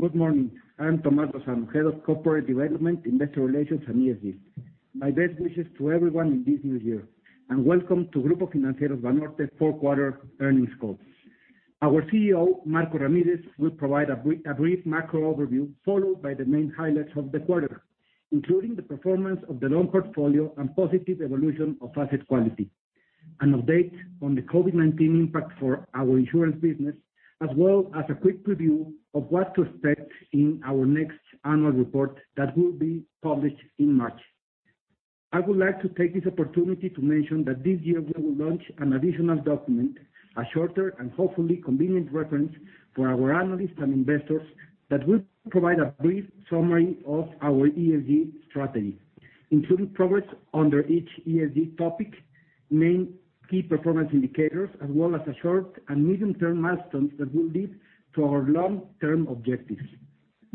Good morning. I am Tomás Lozano, head of Corporate Development, Investor Relations, and ESG. My best wishes to everyone in this new year, and welcome to Grupo Financiero Banorte Q4 earnings call. Our CEO, Marco Ramírez, will provide a brief macro overview, followed by the main highlights of the quarter, including the performance of the loan portfolio and positive evolution of asset quality, an update on the COVID-19 impact for our insurance business, as well as a quick preview of what to expect in our next annual report that will be published in March. I would like to take this opportunity to mention that this year we will launch an additional document, a shorter and hopefully convenient reference for our analysts and investors that will provide a brief summary of our ESG strategy, including progress under each ESG topic, main key performance indicators, as well as a short- and medium-term milestones that will lead to our long-term objectives.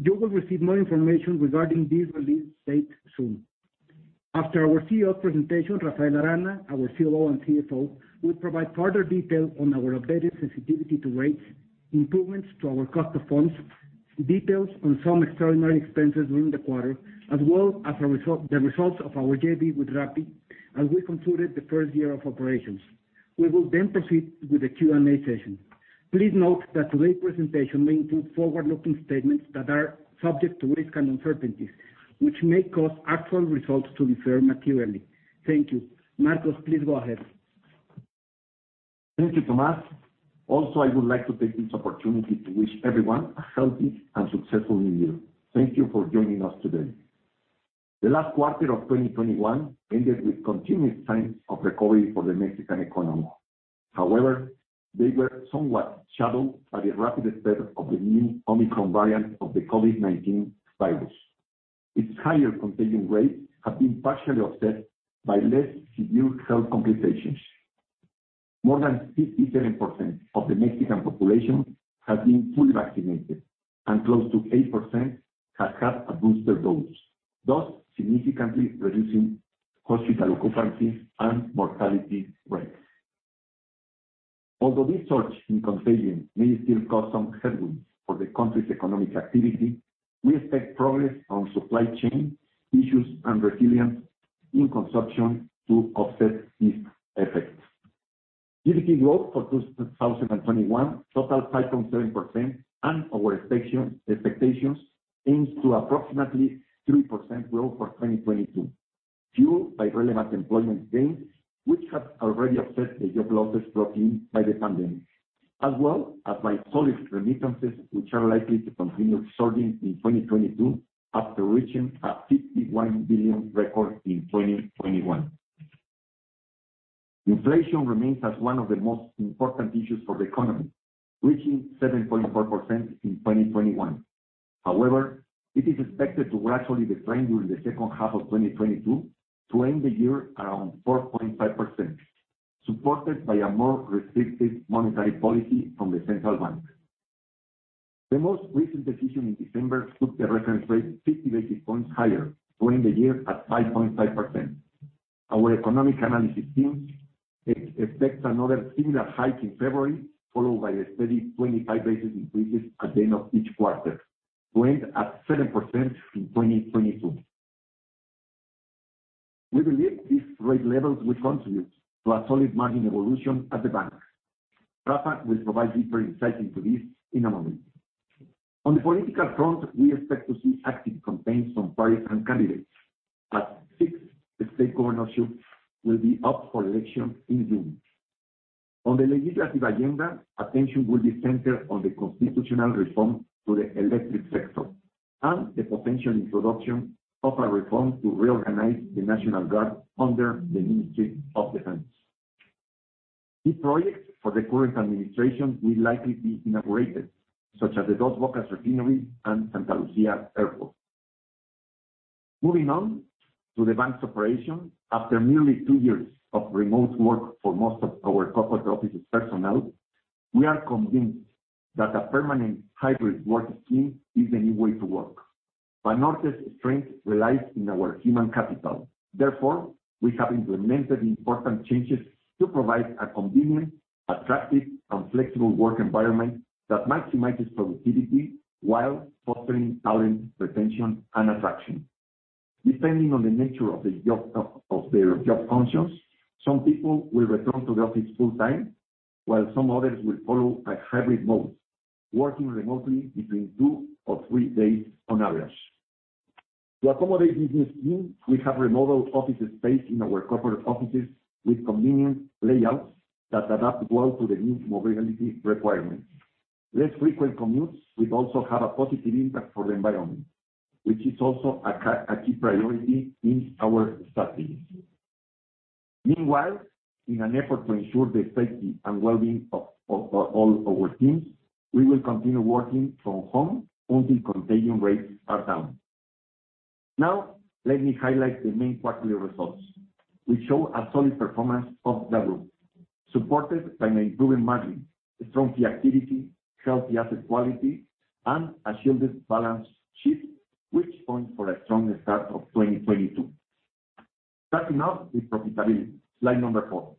You will receive more information regarding this release date soon. After our CEO presentation, Rafael Arana, our COO and CFO, will provide further detail on our updated sensitivity to rates, improvements to our cost of funds, details on some extraordinary expenses during the quarter, as well as our results of our JV with Rappi as we concluded the first year of operations. We will then proceed with the Q&A session. Please note that today's presentation may include forward-looking statements that are subject to risks and uncertainties, which may cause actual results to differ materially. Thank you. Marcos, please go ahead. Thank you, Tomás. Also, I would like to take this opportunity to wish everyone a healthy and successful new year. Thank you for joining us today. The last quarter of 2021 ended with continued signs of recovery for the Mexican economy. However, they were somewhat shadowed by the rapid spread of the new Omicron variant of the COVID-19 virus. Its higher contagion rate have been partially offset by less severe health complications. More than 57% of the Mexican population has been fully vaccinated, and close to 8% has had a booster dose, thus significantly reducing hospital occupancy and mortality rates. Although this surge in contagion may still cause some headwinds for the country's economic activity, we expect progress on supply chain issues and resilience in consumption to offset these effects. GDP growth for 2021 totaled 5.7%, and our expectations aim to approximately 3% growth for 2022, fueled by relevant employment gains which have already offset the job losses brought in by the pandemic, as well as by solid remittances, which are likely to continue surging in 2022 after reaching a $51 billion record in 2021. Inflation remains as one of the most important issues for the economy, reaching 7.4% in 2021. However, it is expected to gradually decline during the second half of 2022 to end the year around 4.5%, supported by a more restrictive monetary policy from the central bank. The most recent decision in December took the reference rate 50 basis points higher to end the year at 5.5%. Our economic analysis teams expects another similar hike in February, followed by a steady 25 basis point increases at the end of each quarter to end at 7% in 2022. We believe these rate levels will contribute to a solid margin evolution at the bank. Rafa will provide deeper insight into this in a moment. On the political front, we expect to see active campaigns from parties and candidates. At least six state governorships will be up for election in June. On the legislative agenda, attention will be centered on the constitutional reform to the electric sector and the potential introduction of a reform to reorganize the National Guard under the Ministry of Defense. Key projects for the current administration will likely be inaugurated, such as the Dos Bocas Refinery and Santa Lucía Airport. Moving on to the bank's operation. After nearly two years of remote work for most of our corporate offices personnel, we are convinced that a permanent hybrid work scheme is the new way to work. Banorte's strength relies in our human capital. Therefore, we have implemented important changes to provide a convenient, attractive, and flexible work environment that maximizes productivity while fostering talent retention and attraction. Depending on the nature of the job of their job functions, some people will return to the office full time, while some others will follow a hybrid mode, working remotely between two or three days on average. To accommodate this new scheme, we have remodeled office space in our corporate offices with convenient layouts that adapt well to the new mobility requirements. Less frequent commutes will also have a positive impact for the environment, which is also a key priority in our strategy. Meanwhile, in an effort to ensure the safety and well-being of all our teams, we will continue working from home until contagion rates are down. Now, let me highlight the main quarterly results, which show a solid performance of the group, supported by an improving margin, a strong fee activity, healthy asset quality, and a shielded balance sheet, which point for a strong start of 2022. Starting now with profitability, slide 4.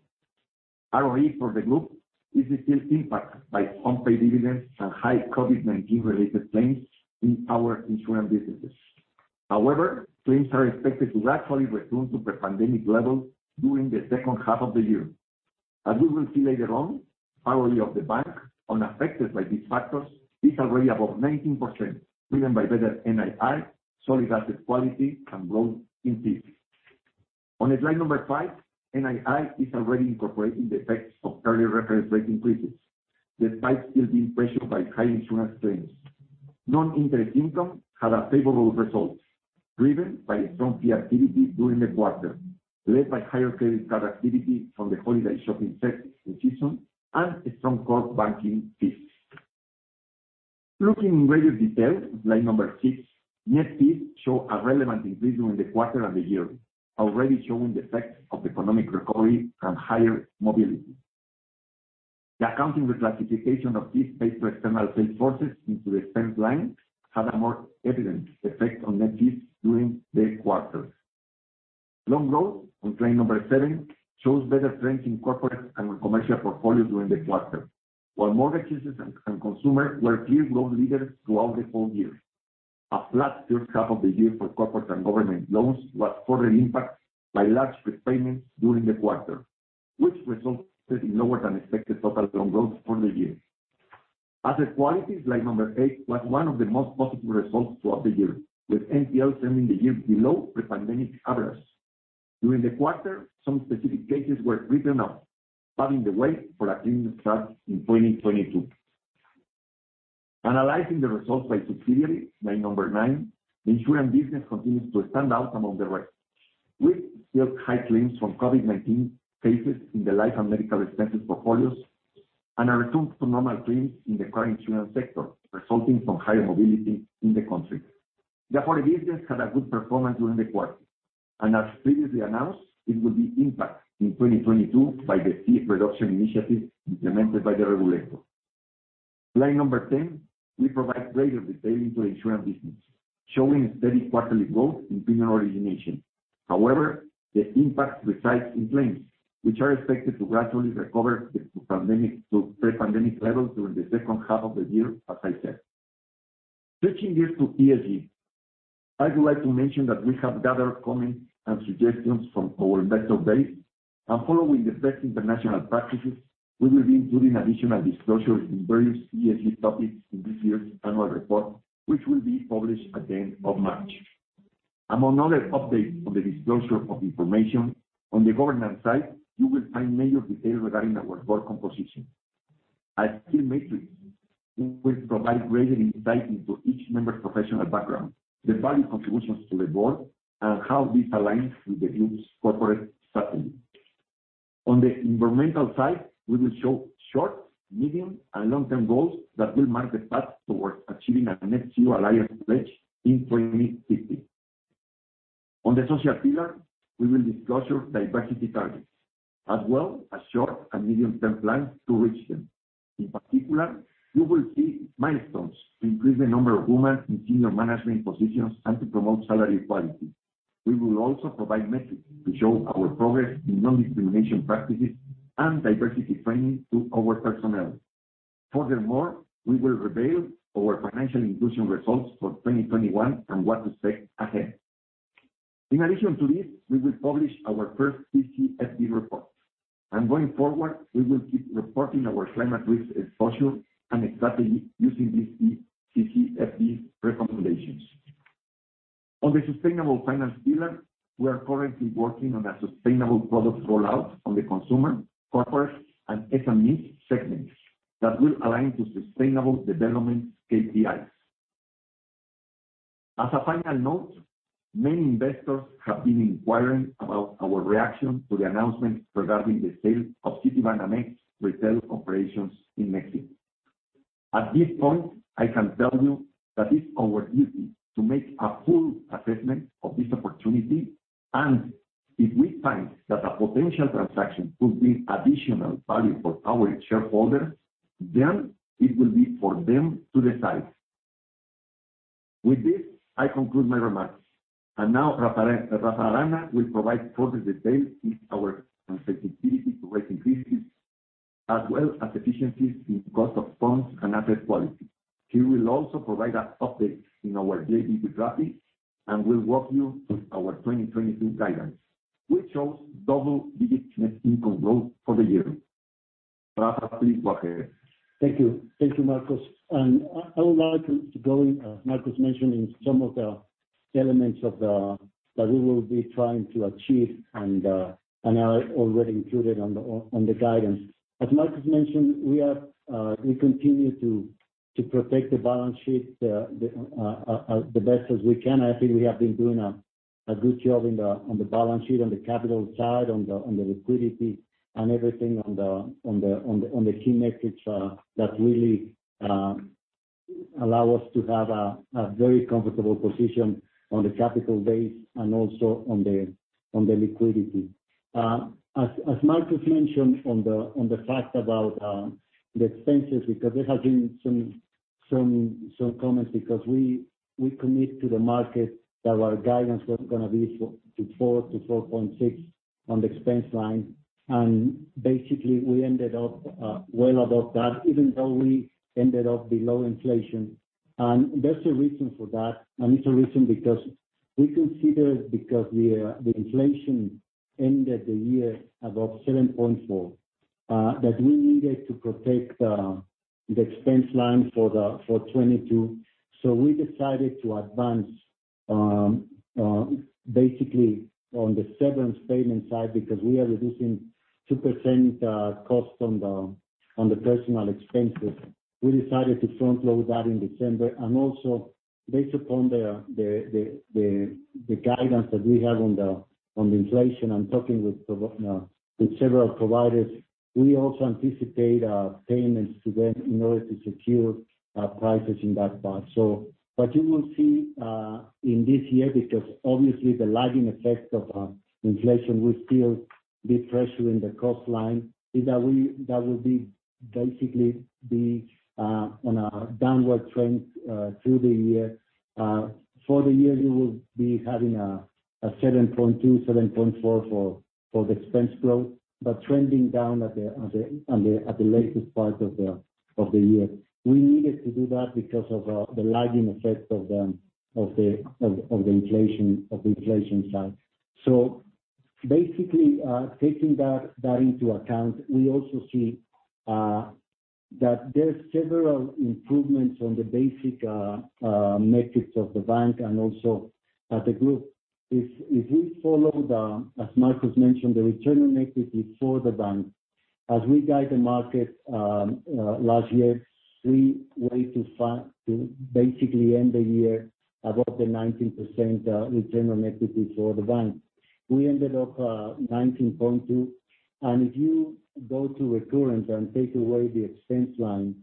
ROE for the group is still impacted by non-paid dividends and high COVID-19 related claims in our insurance businesses. However, claims are expected to gradually return to pre-pandemic levels during the second half of the year. As we will see later on, ROE of the bank unaffected by these factors is already above 19%, driven by better NII, solid asset quality, and growth in fees. On slide number five, NII is already incorporating the effects of earlier reference rate increases, despite still being pressured by high insurance claims. Non-interest income had a favorable result driven by strong fee activity during the quarter, led by higher credit card activity from the holiday shopping season and strong core banking fees. Looking in greater detail at slide number six, net fees show a relevant increase during the quarter and the year, already showing the effects of economic recovery and higher mobility. The accounting reclassification of fees paid to external sales forces into expense line had a more evident effect on net fees during the quarter. Loan growth on slide number seven shows better strength in corporate and commercial portfolios during the quarter, while mortgages and consumer were clear loan leaders throughout the whole year. A flat third half of the year for corporate and government loans was further impacted by large prepayments during the quarter, which resulted in lower than expected total loan growth for the year. Asset quality, slide number eight, was one of the most positive results throughout the year, with NPLs ending the year below pre-pandemic averages. During the quarter, some specific cases were written off, paving the way for a clean start in 2022. Analyzing the results by subsidiary, slide number 9, the insurance business continues to stand out among the rest. We still have high claims from COVID-19 cases in the life and medical expenses portfolios, and a return to normal claims in the car insurance sector resulting from higher mobility in the country. The corporate business had a good performance during the quarter, and as previously announced, it will be impacted in 2022 by the fee reduction initiative implemented by the regulator. Slide 10, we provide greater detail into insurance business, showing steady quarterly growth in premium origination. However, the impact resides in claims which are expected to gradually recover from the pandemic to pre-pandemic levels during the second half of the year, as I said. Switching gears to ESG, I would like to mention that we have gathered comments and suggestions from our investor base, and following the best international practices, we will be including additional disclosures in various ESG topics in this year's annual report, which will be published at the end of March. Among other updates on the disclosure of information, on the governance side, you will find major details regarding our board composition. A key matrix will provide greater insight into each member's professional background, their value contributions to the board, and how this aligns with the group's corporate strategy. On the environmental side, we will show short, medium, and long-term goals that will mark the path towards achieving a net-zero alliance pledge in 2050. On the social pillar, we will discuss our diversity targets, as well as short and medium-term plans to reach them. In particular, you will see milestones to increase the number of women in senior management positions and to promote salary equality. We will also provide metrics to show our progress in non-discrimination practices and diversity training to our personnel. Furthermore, we will reveal our financial inclusion results for 2021 and what to expect ahead. In addition to this, we will publish our first TCFD report. Going forward, we will keep reporting our climate risk exposure and strategy using the TCFD recommendations. On the sustainable finance pillar, we are currently working on a sustainable product rollout on the consumer, corporate, and SME segments that will align to sustainable development KPIs. As a final note, many investors have been inquiring about our reaction to the announcement regarding the sale of Citibanamex retail operations in Mexico. At this point, I can tell you that it's our duty to make a full assessment of this opportunity. If we find that a potential transaction could mean additional value for our shareholders, then it will be for them to decide. With this, I conclude my remarks, and now Rafa, Rafael Arana will provide further details in our sensitivity to rate increases, as well as efficiencies in cost of funds and asset quality. He will also provide an update on our ESG strategy and will walk you through our 2022 guidance, which shows double-digit net income growth for the year. Rafa, please go ahead. Thank you. Thank you, Marcos. I would like to go, as Marcos mentioned, in some of the elements of that we will be trying to achieve and are already included in the guidance. As Marcos mentioned, we continue to protect the balance sheet as best as we can. I think we have been doing a good job on the balance sheet, on the capital side, on the key metrics that really allow us to have a very comfortable position on the capital base and also on the liquidity. As Marcos mentioned on the fact about the expenses, because there has been some comments because we commit to the market that our guidance was gonna be 4%-4.6% on the expense line. Basically, we ended up well above that even though we ended up below inflation. There's a reason for that, and it's a reason because we consider it because the inflation ended the year above 7.4% that we needed to protect the expense line for 2022. We decided to advance basically on the severance payment side because we are reducing 2% cost on the personal expenses. We decided to front load that in December. Based upon the guidance that we have on the inflation, I'm talking with several providers. We also anticipate payments to them in order to secure prices in that part. What you will see in this year, because obviously the lagging effect of inflation will still be pressuring the cost line, is that that will be basically on a downward trend through the year. For the year, you will be having 7.2%-7.4% for the expense growth, but trending down at the latest part of the year. We needed to do that because of the lagging effect of the inflation side. Basically, taking that into account, we also see that there are several improvements on the basic metrics of the bank and also the group. If we follow, as Marcos mentioned, the return on equity for the bank, as we guide the market, last year, we were to basically end the year above the 19% return on equity for the bank. We ended up 19.2%. If you go to recurring and take away the expense line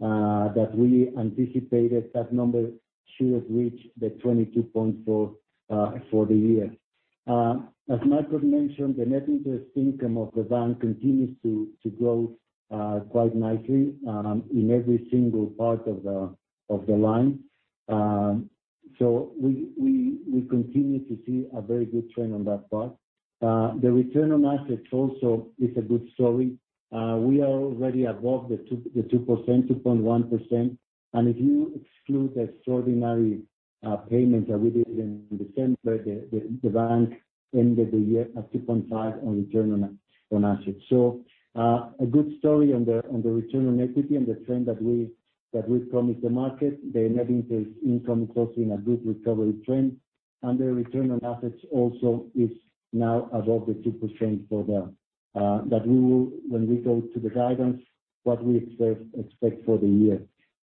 that we anticipated, that number should reach the 22.4% for the year. As Marcos mentioned, the net interest income of the bank continues to grow quite nicely in every single part of the line. We continue to see a very good trend on that part. The return on assets also is a good story. We are already above the 2%, 2.1%. If you exclude extraordinary payments that we did in December, the bank ended the year at 2.5% on return on assets. A good story on the return on equity and the trend that we promised the market. The net interest income is also in a good recovery trend, and the return on assets also is now above the 2% for the that we will when we go to the guidance, what we expect for the year.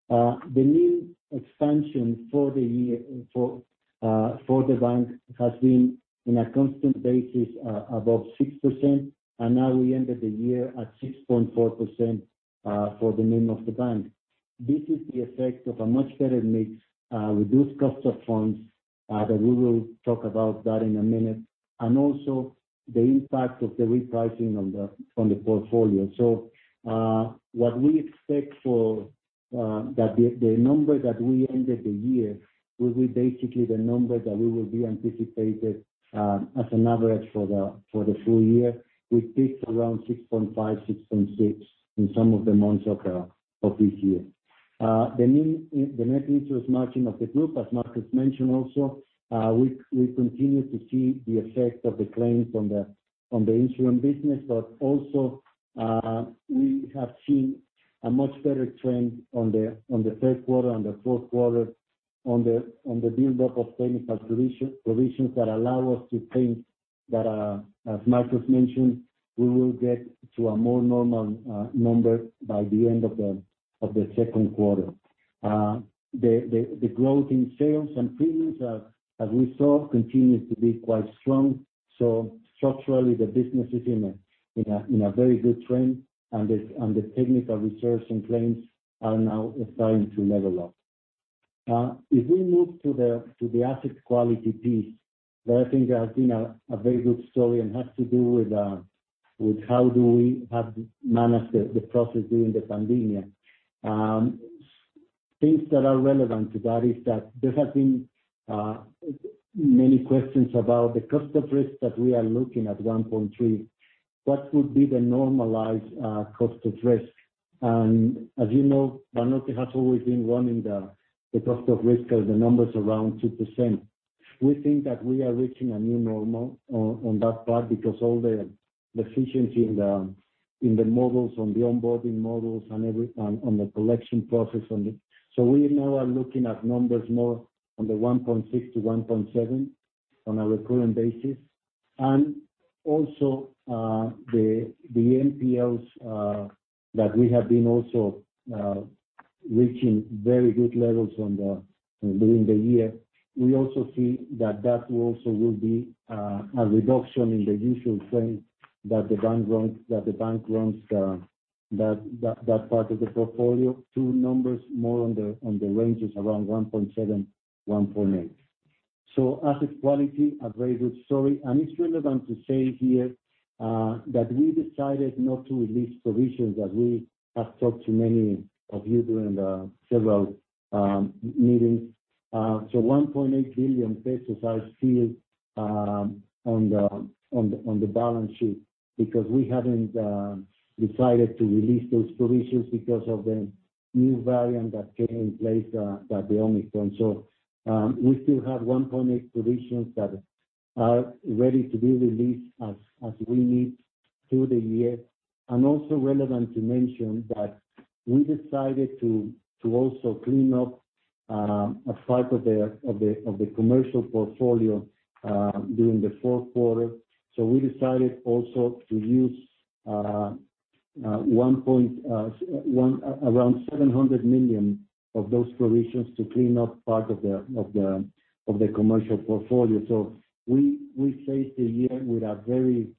The new expansion for the year for the bank has been on a constant basis above 6%, and now we ended the year at 6.4% for Banorte. This is the effect of a much better mix, reduced cost of funds that we will talk about in a minute, and also the impact of the repricing on the portfolio. What we expect is that the number that we ended the year will be basically the number that we anticipate as an average for the full year. We peaked around 6.5-6.6 in some of the months of this year. The net interest margin of the group, as Marcos mentioned also, we continue to see the effect of the claims on the insurance business. We have seen a much better trend on the Q3, on the Q4 on the build-up of technical provisions that allow us to think that, as Marcos mentioned, we will get to a more normal number by the end of the Q2. The growth in sales and premiums, as we saw, continues to be quite strong. Structurally, the business is in a very good trend, and the technical reserves and claims are now starting to level up. If we move to the asset quality piece, that I think has been a very good story and has to do with how we have managed the process during the pandemic. Things that are relevant to that is that there have been many questions about the cost of risk that we are looking at 1.3%. What would be the normalized cost of risk? As you know, Banorte has always been running the cost of risk as the numbers around 2%. We think that we are reaching a new normal on that part because all the efficiency in the models, on the onboarding models and on the collection process on the... We now are looking at numbers more on the 1.6%-1.7% on a recurrent basis. Also, the NPLs that we have been reaching very good levels during the year. We also see that that also will be a reduction in the usual trend that the bank runs, that part of the portfolio to numbers more on the ranges around 1.7%-1.8%. Asset quality, a very good story. It's relevant to say here that we decided not to release provisions, as we have talked to many of you during the several meetings. 1.8 billion pesos are still on the balance sheet because we haven't decided to release those provisions because of the new variant that came in place, the Omicron. We still have 1.8 billion provisions that are ready to be released as we need through the year. It is also relevant to mention that we decided to clean up a part of the commercial portfolio during the Q4. We decided also to use around 700 million of those provisions to clean up part of the commercial portfolio. We face the year with a very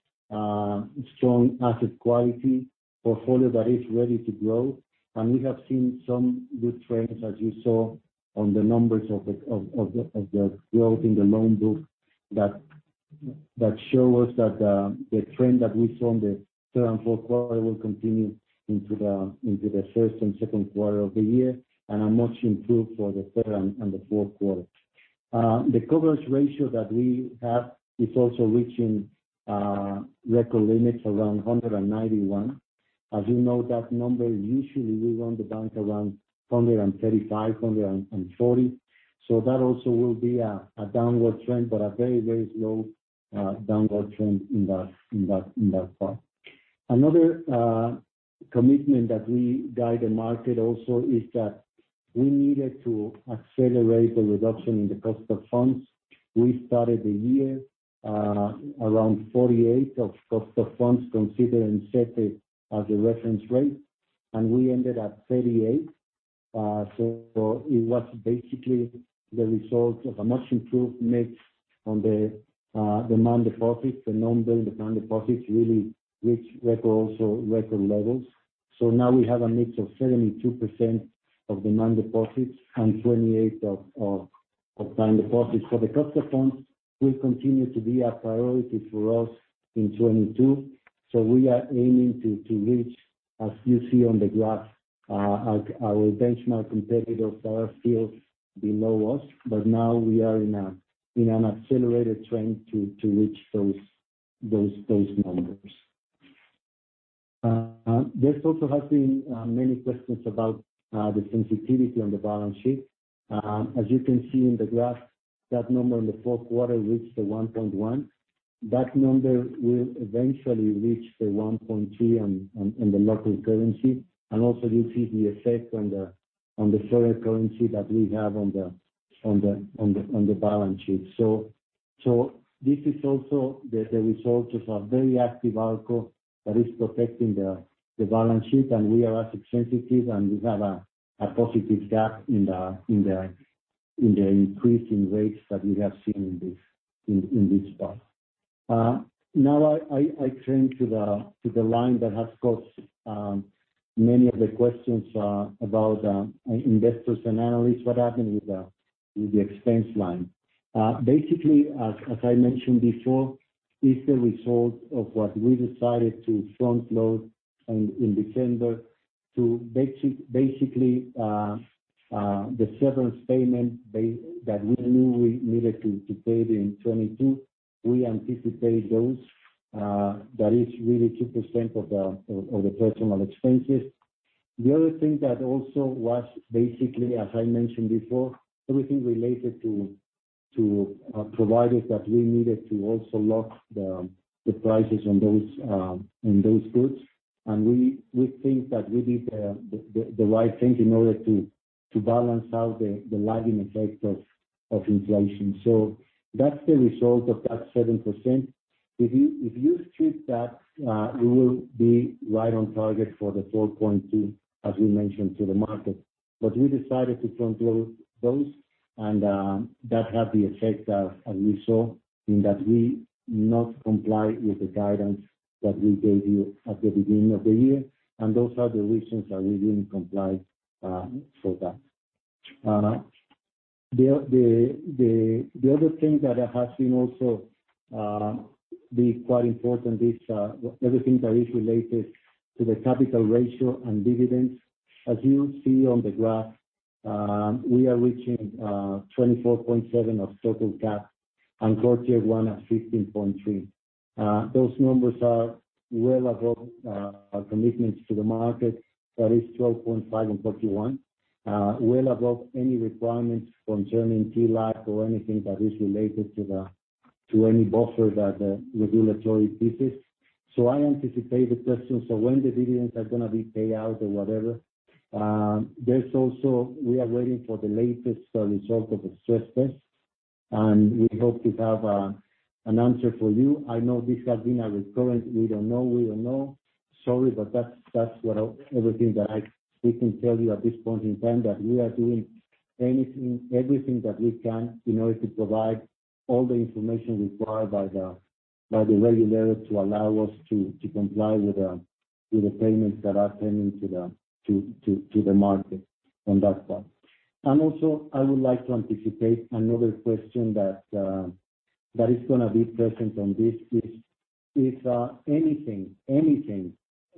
strong asset quality portfolio that is ready to grow. We have seen some good trends, as you saw on the numbers of the growth in the loan book that show us that the trend that we saw in the third and Q4 will continue into the first and Q2 of the year, and are much improved for the third and the Q4. The coverage ratio that we have is also reaching record limits around 191. As you know, that number usually we run the bank around 135, 140. That also will be a downward trend, but a very slow downward trend in that part. Another commitment that we guide the market also is that we needed to accelerate the reduction in the cost of funds. We started the year around 4.8% cost of funds, considered and set as a reference rate, and we ended at 3.8%. It was basically the result of a much improved mix on the demand deposits. The number in demand deposits really reached record, also record levels. Now we have a mix of 72% demand deposits and 28% time deposits. The cost of funds will continue to be a priority for us in 2022. We are aiming to reach, as you see on the graph, our benchmark competitors that are still below us. Now we are in an accelerated trend to reach those numbers. There also has been many questions about the sensitivity on the balance sheet. As you can see in the graph, that number in the Q4 reached the 1.1%. That number will eventually reach the 1.3% on the local currency. Also you see the effect on the foreign currency that we have on the balance sheet. This is also the result of a very active ALCO that is protecting the balance sheet. We are as sensitive, and we have a positive gap in the increase in rates that we have seen in this part. Now I turn to the line that has caused many of the questions about investors and analysts, what happened with the expense line. Basically, as I mentioned before, it's the result of what we decided to front load in December to basically the severance payment that we knew we needed to pay in 2022. We anticipate those, that is really 2% of the personal expenses. The other thing that also was basically, as I mentioned before, everything related to providers that we needed to also lock the prices on those goods. We think that we did the right thing in order to balance out the lagging effect of inflation. That's the result of that 7%. If you strip that, we will be right on target for the 4.2, as we mentioned to the market. We decided to front load those, and that had the effect, as we saw, in that we not comply with the guidance that we gave you at the beginning of the year. Those are the reasons that we didn't comply for that. The other thing that has been also being quite important is everything that is related to the capital ratio and dividends. As you see on the graph, we are reaching 24.7 of total CAP and Core Tier 1 at 15.3. Those numbers are well above our commitments to the market, that is 12.5% and 41%, well above any requirements concerning TLAC or anything that is related to any buffer that the regulatory imposes. I anticipate the questions of when dividends are gonna be paid out or whatever. There's also we are waiting for the latest result of the stress test, and we hope to have an answer for you. I know this has been a recurrent we don't know. Sorry, but that's everything that we can tell you at this point in time, that we are doing everything that we can in order to provide all the information required by the regulators to allow us to comply with the payments that are pending to the market on that part. Also, I would like to anticipate another question that is gonna be present on this is if anything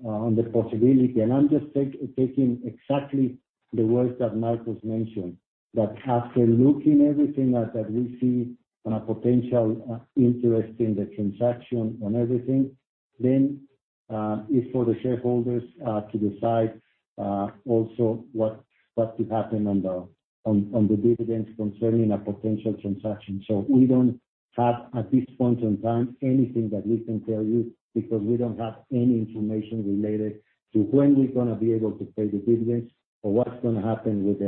on the possibility. I'm just taking exactly the words that Marcos mentioned, that after looking at everything that we see on a potential interest in the transaction and everything, then it's for the shareholders to decide also what could happen on the dividends concerning a potential transaction. We don't have, at this point in time, anything that we can tell you, because we don't have any information related to when we're gonna be able to pay the dividends or what's gonna happen with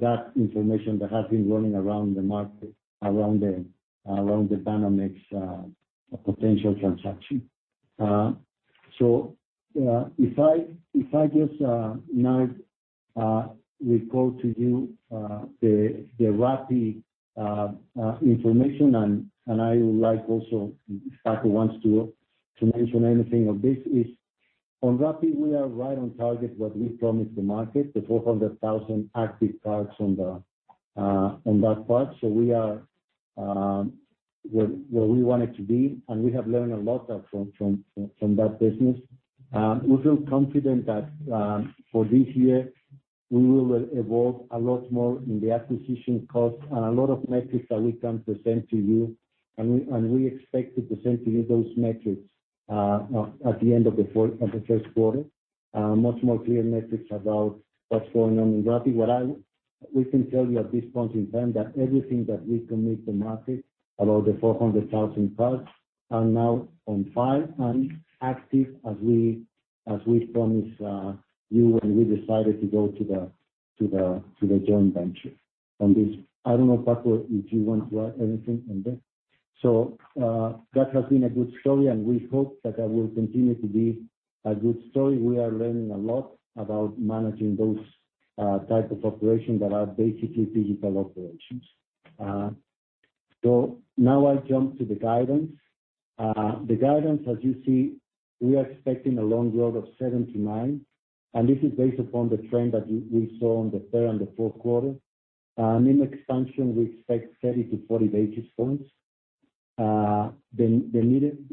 that information that has been running around the market around the Banamex potential transaction. If I just now report to you the Rappi information, and I would like also if Paco wants to mention anything of this. On Rappi we are right on target what we promised the market, the 400,000 active cards on that part. We are where we wanted to be, and we have learned a lot from that business. We feel confident that for this year, we will evolve a lot more in the acquisition cost and a lot of metrics that we can present to you, and we expect to present to you those metrics at the end of the Q1. Much more clear metrics about what's going on in Rappi. We can tell you at this point in time that everything that we commit to market about the 400,000 cards are now on file and active as we promised you when we decided to go to the joint venture on this. I don't know, Paco, if you want to add anything on that. That has been a good story, and we hope that that will continue to be a good story. We are learning a lot about managing those type of operations that are basically digital operations. Now I jump to the guidance. The guidance, as you see, we are expecting a loan growth of 7%-9%, and this is based upon the trend that we saw on the third and the Q4. NIM expansion, we expect 30-40 basis points. The needed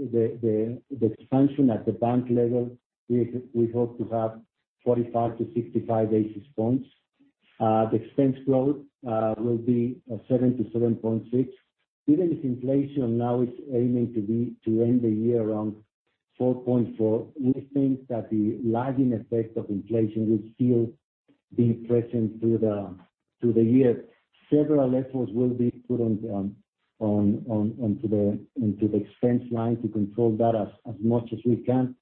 expansion at the bank level, we hope to have 45-65 basis points. The expense growth will be 7%-7.6%. Given this inflation now is aiming to be to end the year around 4.4%, we think that the lagging effect of inflation will still be present through the year. Several efforts will be put into the expense line to control that as much as we can,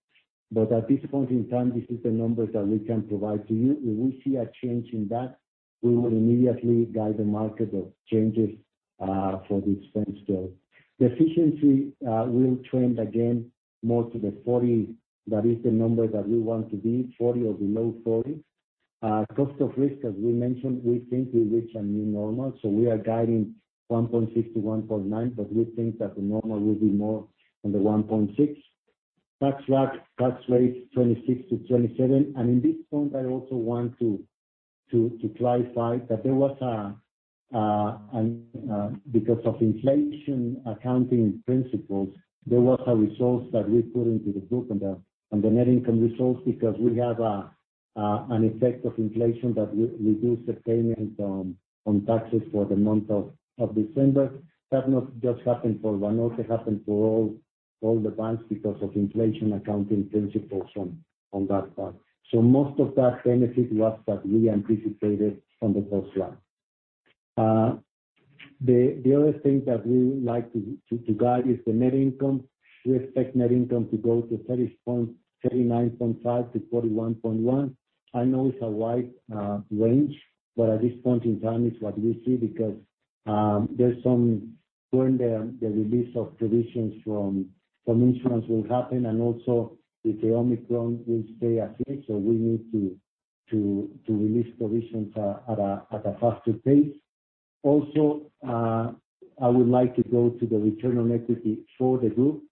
but at this point in time, this is the numbers that we can provide to you. If we see a change in that, we will immediately guide the market of changes for the expense growth. The efficiency will trend again more to the 40%. That is the number that we want to be, 40 or below 40. Cost of risk, as we mentioned, we think we reach a new normal, so we are guiding 1.6%-1.9%, but we think that the normal will be more on the 1.6%. Tax rate, 26%-27%. In this point, I also want to clarify that there was a because of inflation accounting principles, there was a resource that we put into the group and the net income resource because we have an effect of inflation that reduce the payments on taxes for the month of December. That did not just happen for Banorte, it happened for all the banks because of inflation accounting principles on that part. Most of that benefit was that we anticipated on the cost lag. The other thing that we would like to guide is the net income. We expect net income to go to 39.5-41.1. I know it's a wide range, but at this point in time, it's what we see because during the release of provisions from insurance will happen and also if the Omicron will stay as is, so we need to release provisions at a faster pace. Also, I would like to go to the return on equity for the group.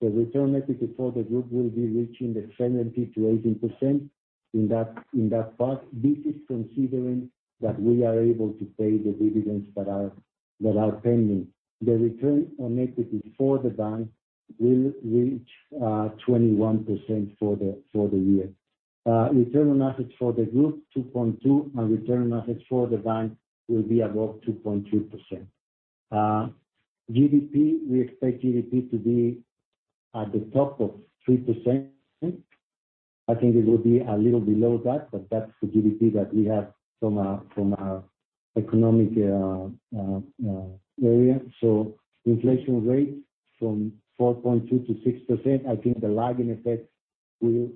The return on equity for the group will be reaching 70%-80% in that part. This is considering that we are able to pay the dividends that are pending. The return on equity for the bank will reach 21% for the year. Return on assets for the group, 2.2, and return on assets for the bank will be above 2.2%. GDP, we expect GDP to be at the top of 3%. I think it will be a little below that, but that's the GDP that we have from our economic area. Inflation rate from 4.2%-6%, I think the lag in effect will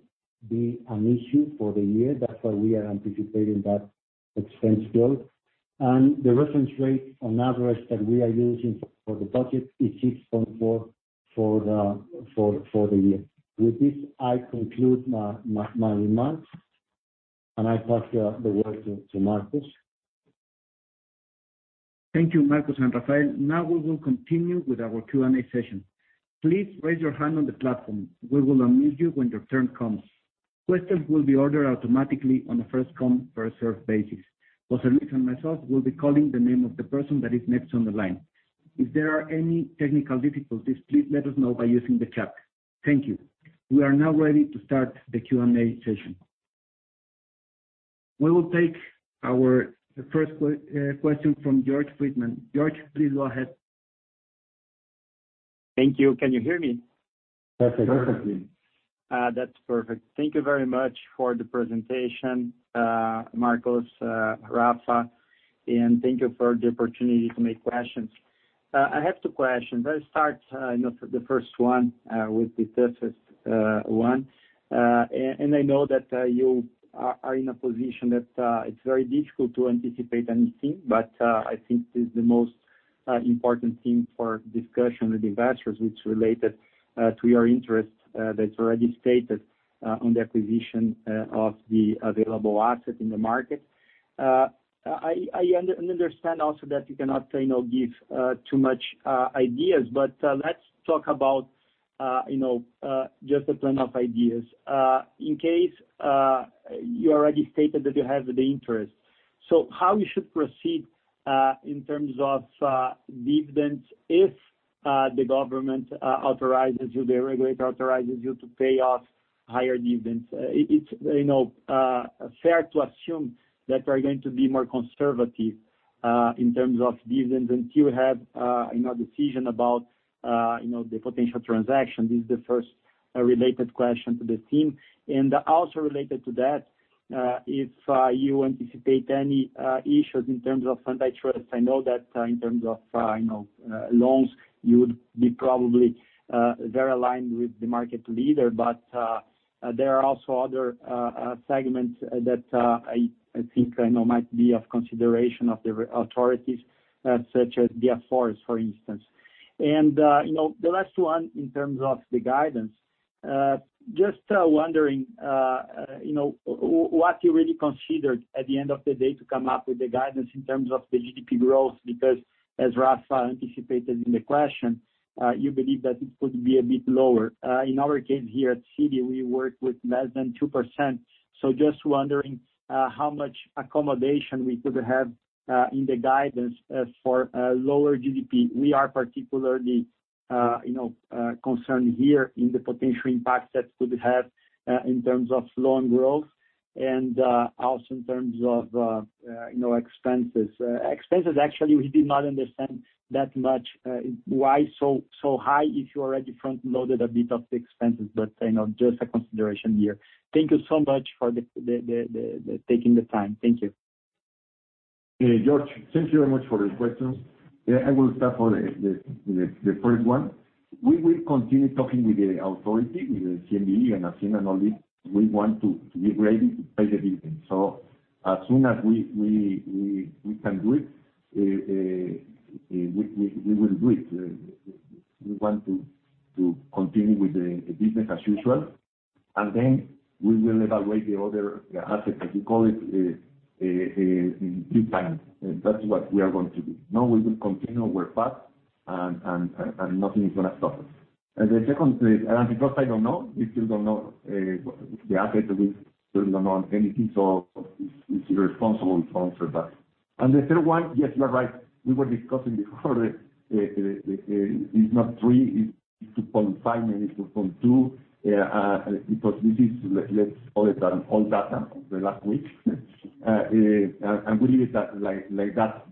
be an issue for the year. That's why we are anticipating that expense growth. The reference rate on average that we are using for the budget is 6.4 for the year. With this, I conclude my remarks, and I pass the word to Marcos. Thank you, Marcos and Rafael. Now we will continue with our Q&A session. Please raise your hand on the platform. We will unmute you when your turn comes. Questions will be ordered automatically on a first come, first served basis. José Luis and myself will be calling the name of the person that is next on the line. If there are any technical difficulties, please let us know by using the chat. Thank you. We are now ready to start the Q&A session. We will take our first question from Jorge Friedmann. Jorge, please go ahead. Thank you. Can you hear me? Perfectly. That's perfect. Thank you very much for the presentation, Marcos, Rafa, and thank you for the opportunity to make questions. I have two questions. Let's start, you know, the first one with the toughest one. I know that you are in a position that it's very difficult to anticipate anything, but I think this is the most important thing for discussion with investors which related to your interest that's already stated on the acquisition of the available asset in the market. I understand also that you cannot, you know, give too much ideas. Let's talk about, you know, just a ton of ideas. In case you already stated that you have the interest, so how you should proceed in terms of dividends if the government authorizes you, the regulator authorizes you to pay off higher dividends? It's, you know, fair to assume that you are going to be more conservative in terms of dividends until you have, you know, decision about, you know, the potential transaction. This is the first related question to the team. Also related to that, if you anticipate any issues in terms of antitrust. I know that in terms of, you know, loans, you would be probably very aligned with the market leader. There are also other segments that I think I know might be of consideration of the regulatory authorities, such as the Afores, for instance. You know, the last one in terms of the guidance, just wondering, you know, what you really considered at the end of the day to come up with the guidance in terms of the GDP growth, because as Rafa anticipated in the question, you believe that it could be a bit lower. In our case here at Citi, we work with less than 2%. Just wondering, how much accommodation we could have in the guidance for a lower GDP. We are particularly, you know, concerned here in the potential impact that could have in terms of loan growth and also in terms of, you know, expenses. Expenses, actually, we did not understand that much why so high if you already front loaded a bit of the expenses. You know, just a consideration here. Thank you so much for taking the time. Thank you. George Friedman, thank you very much for the questions. Yeah, I will start with the first one. We will continue talking with the authority, with the CNBV and SHCP and all this. We want to be ready to pay the dividend. As soon as we can do it, we will do it. We want to continue with the business as usual. Then we will evaluate the other assets, as you call it, in due time. That's what we are going to do. Now we will continue our path and nothing is gonna stop us. The second, because I don't know, we still don't know the asset that we still don't know anything, so it's irresponsible to answer that. The third one, yes, you are right. We were discussing before the it's not 3, it's 2.5, maybe 2.2. We leave it at like that.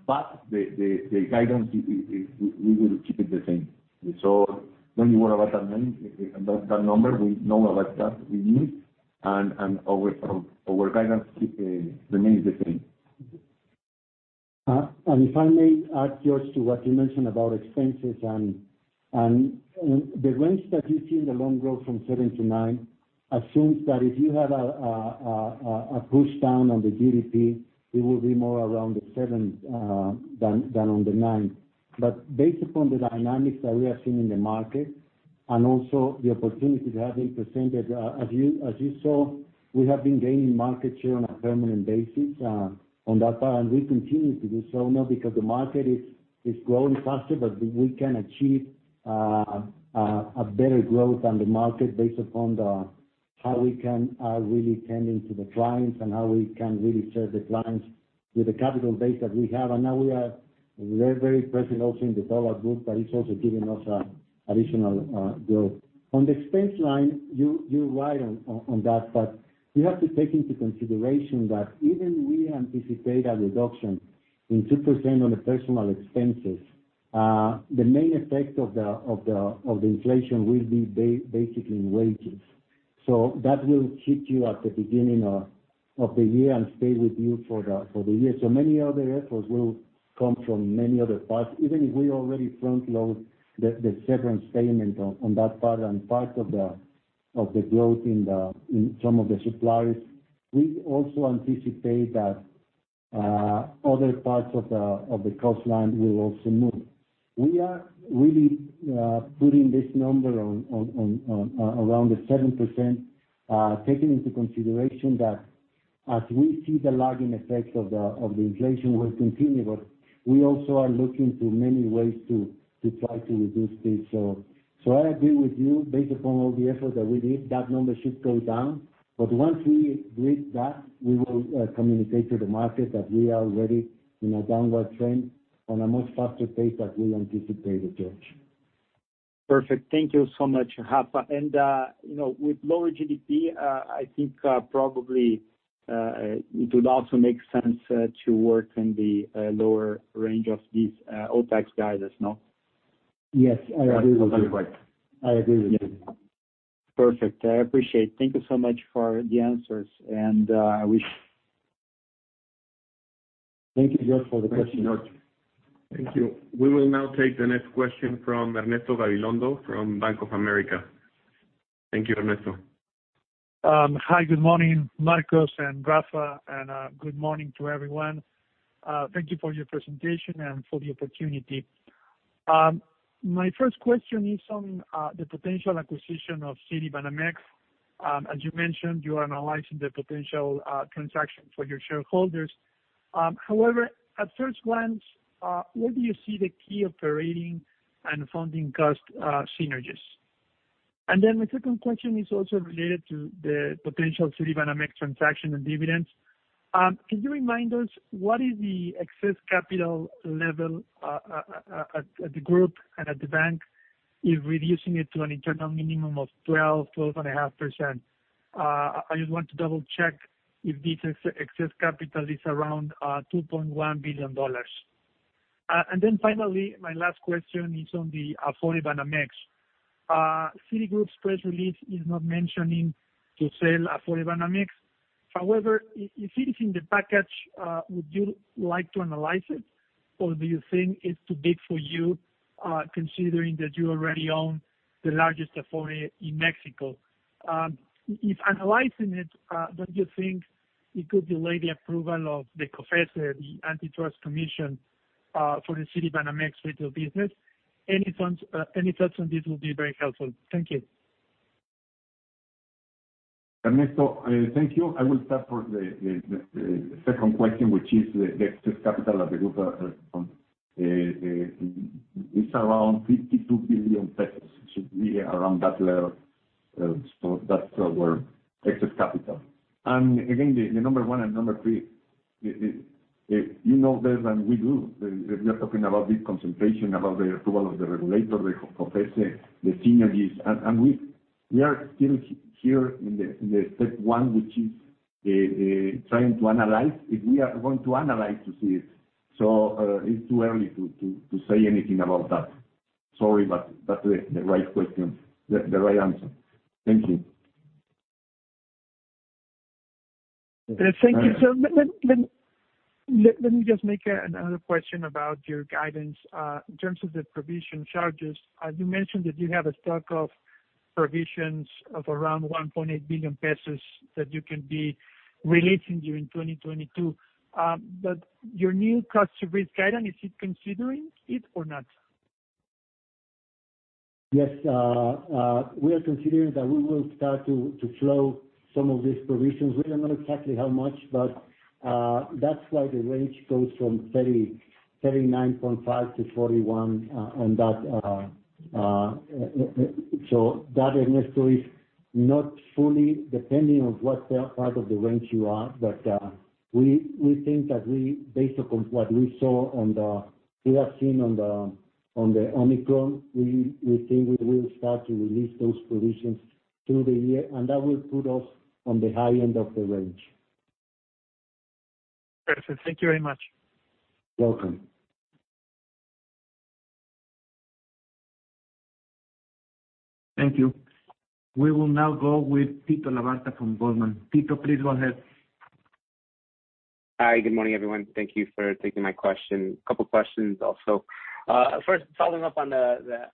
The guidance is we will keep it the same. When you worry about that number, we know about that we need and our guidance remains the same. If I may add, Jorge Friedmann, to what you mentioned about expenses and the range that you see in the loan growth from 7%-9% assumes that if you have a push down on the GDP, it will be more around the 7% than on the 9%. Based upon the dynamics that we are seeing in the market and also the opportunities that have been presented, as you saw, we have been gaining market share on a permanent basis on that part, and we continue to do so now because the market is growing faster. We can achieve a better growth than the market based upon how we can really attend to the clients and how we can really serve the clients with the capital base that we have. Now we are very, very present also in the dollar group, but it's also giving us additional growth. On the expense line, you're right on that, but you have to take into consideration that even we anticipate a reduction in 2% on the personal expenses, the main effect of the inflation will be basically in wages. That will hit you at the beginning of the year and stay with you for the year. Many other efforts will come from many other parts. Even if we already front load the severance payment on that part and part of the growth in some of the suppliers, we also anticipate that other parts of the cost line will also move. We are really putting this number at around 7%, taking into consideration that as we see the lagging effects of the inflation will continue, but we also are looking to many ways to try to reduce this. I agree with you based upon all the effort that we did, that number should go down. Once we reach that, we will communicate to the market that we are already in a downward trend on a much faster pace than we anticipate. Perfect. Thank you so much, Rafa. You know, with lower GDP, I think, probably, it would also make sense to work in the lower range of these OpEx guidance, no? Yes. I agree with you. That's absolutely right. I agree with you. Perfect. I appreciate. Thank you so much for the answers, and, I wish- Thank you, George, for the question. Thank you, Jorge. Thank you. We will now take the next question from Ernesto Gabilondo from Bank of America. Thank you, Ernesto. Hi, good morning, Marcos and Rafa, and good morning to everyone. Thank you for your presentation and for the opportunity. My first question is on the potential acquisition of Citibanamex. As you mentioned, you are analyzing the potential transaction for your shareholders. However, at first glance, where do you see the key operating and funding cost synergies? My second question is also related to the potential Citibanamex transaction and dividends. Can you remind us what is the excess capital level at the group and at the bank is reducing it to an internal minimum of 12.5%? I just want to double-check if this excess capital is around $2.1 billion. Finally, my last question is on the Afore Banamex. Citigroup's press release is not mentioning the sale of Afore Banamex. However, if it is in the package, would you like to analyze it, or do you think it's too big for you, considering that you already own the largest Afore in Mexico? If analyzing it, don't you think it could delay the approval of the COFECE, the Antitrust Commission, for the Citibanamex retail business? Any thoughts on this will be very helpful. Thank you. Ernesto, thank you. I will start first the second question, which is the excess capital of the group, it's around 52 billion pesos. It should be around that level. That's our excess capital. Again, the number one and number three, you know better than we do, we are talking about this consultation, about the approval of the regulator, the COFECE, the synergies. We are still here in the step one, which is trying to analyze if we are going to analyze to see it. It's too early to say anything about that. Sorry, but that's the right question, the right answer. Thank you. Thank you. Let me just make another question about your guidance, in terms of the provision charges. You mentioned that you have a stock of provisions of around 1.8 billion pesos that you can be releasing during 2022. Your new cost to risk guidance, is it considering it or not? Yes. We are considering that we will start to flow some of these provisions. We don't know exactly how much, but that's why the range goes from 30, 39.5 to 41 on that. That, Ernesto, is not fully depending on what part of the range you are. But we think that we based upon what we have seen on the Omicron, we think we will start to release those provisions through the year, and that will put us on the high end of the range. Perfect. Thank you very much. Welcome. Thank you. We will now go with Tito Labarta from Goldman. Tito, please go ahead. Hi, good morning, everyone. Thank you for taking my question. A couple of questions also. First, following up on the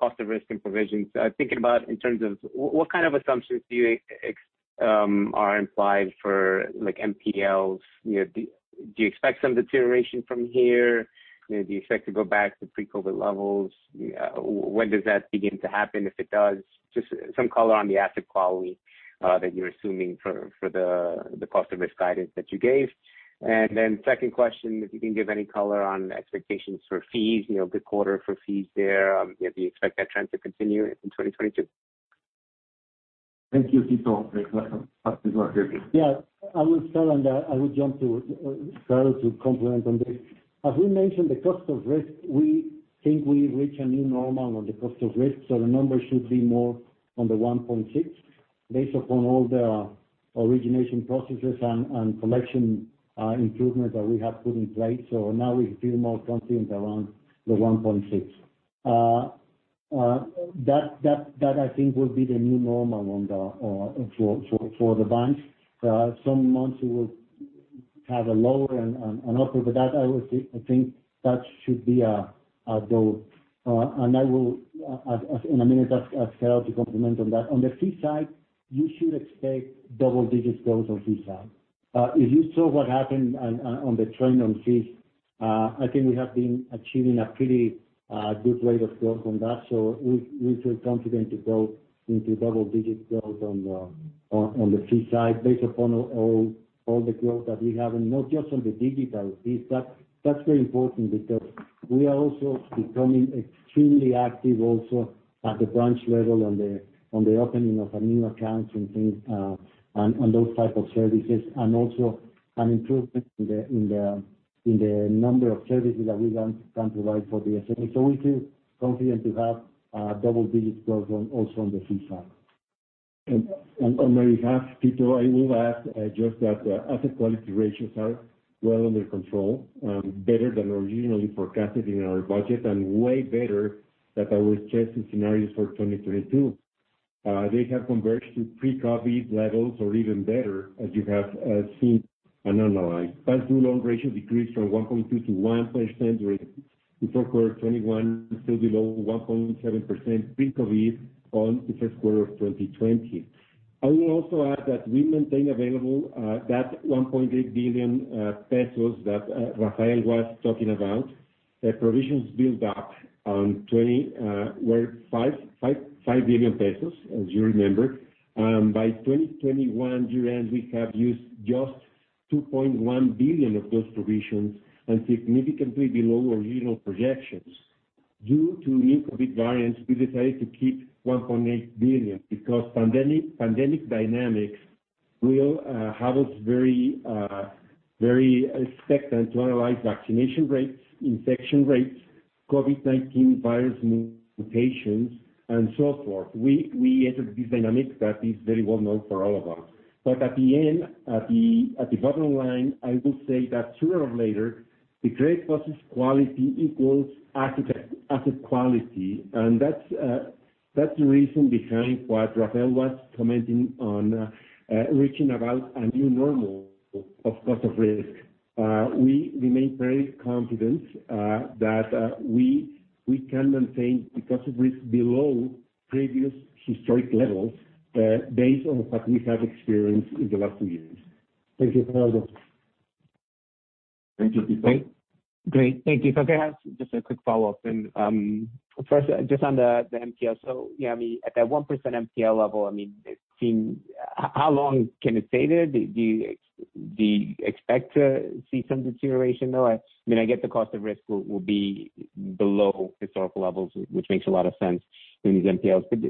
cost of risk and provisions. Thinking about in terms of what kind of assumptions are implied for like NPLs? You know, do you expect some deterioration from here? You know, do you expect to go back to pre-COVID levels? When does that begin to happen, if it does? Just some color on the asset quality that you're assuming for the cost of risk guidance that you gave. Second question, if you can give any color on expectations for fees. You know, good quarter for fees there. Do you expect that trend to continue in 2022? Thank you, Tito. Please go ahead. Yeah. I will start on that. I will jump to start to comment on this. As we mentioned, the cost of risk, we think we reach a new normal on the cost of risk, so the number should be more on the 1.6% based upon all the origination processes and collection improvement that we have put in place. So now we feel more confident around the 1.6%. That I think will be the new normal on the for the bank. Some months we will have a lower and an upper, but that I would think, I think that should be our goal. I will as in a minute ask Gerardo to comment on that. On the fee side, you should expect double digits growth on fee side. If you saw what happened on the trend on fees, I think we have been achieving a pretty good rate of growth on that. We feel confident to go into double-digit growth on the fee side based upon all the growth that we have, and not just on the digital piece. That's very important because we are also becoming extremely active at the branch level on the opening of a new account and things on those type of services, also an improvement in the number of services that we can provide for the SME. We feel confident to have double digits growth also on the fee side. On my behalf, Tito, I will add just that asset quality ratios are well under control, better than originally forecasted in our budget, and way better than our stress scenarios for 2022. They have converged to pre-COVID levels or even better as you have seen and analyzed. Past-due loan ratio decreased from 1.2%-1.6% during Q4 2021, still below 1.7% pre-COVID in the Q1 of 2020. I will also add that we maintain available that 1.8 billion pesos that Rafael was talking about. The provisions were 555 billion pesos, as you remember. By 2021 year-end, we have used just 2.1 billion of those provisions and significantly below original projections. Due to new COVID variants, we decided to keep 1.8 billion because pandemic dynamics will have us very expectant to analyze vaccination rates, infection rates, COVID-19 virus mutations, and so forth. We entered this dynamic that is very well-known for all of us. At the end, at the bottom line, I will say that sooner or later, the credit process quality equals asset quality. That's the reason behind what Rafael was commenting on, reaching a new normal of cost of risk. We remain very confident that we can maintain the cost of risk below previous historic levels, based on what we have experienced in the last two years. Thank you, Gerardo. Thank you, Tito. Great. Thank you. Can I ask just a quick follow-up? First, just on the NPL. Yeah, I mean, at that 1% NPL level, I mean, it seems. How long can it stay there? Do you expect to see some deterioration, though? I mean, I get the cost of risk will be below historical levels, which makes a lot of sense given these NPLs. But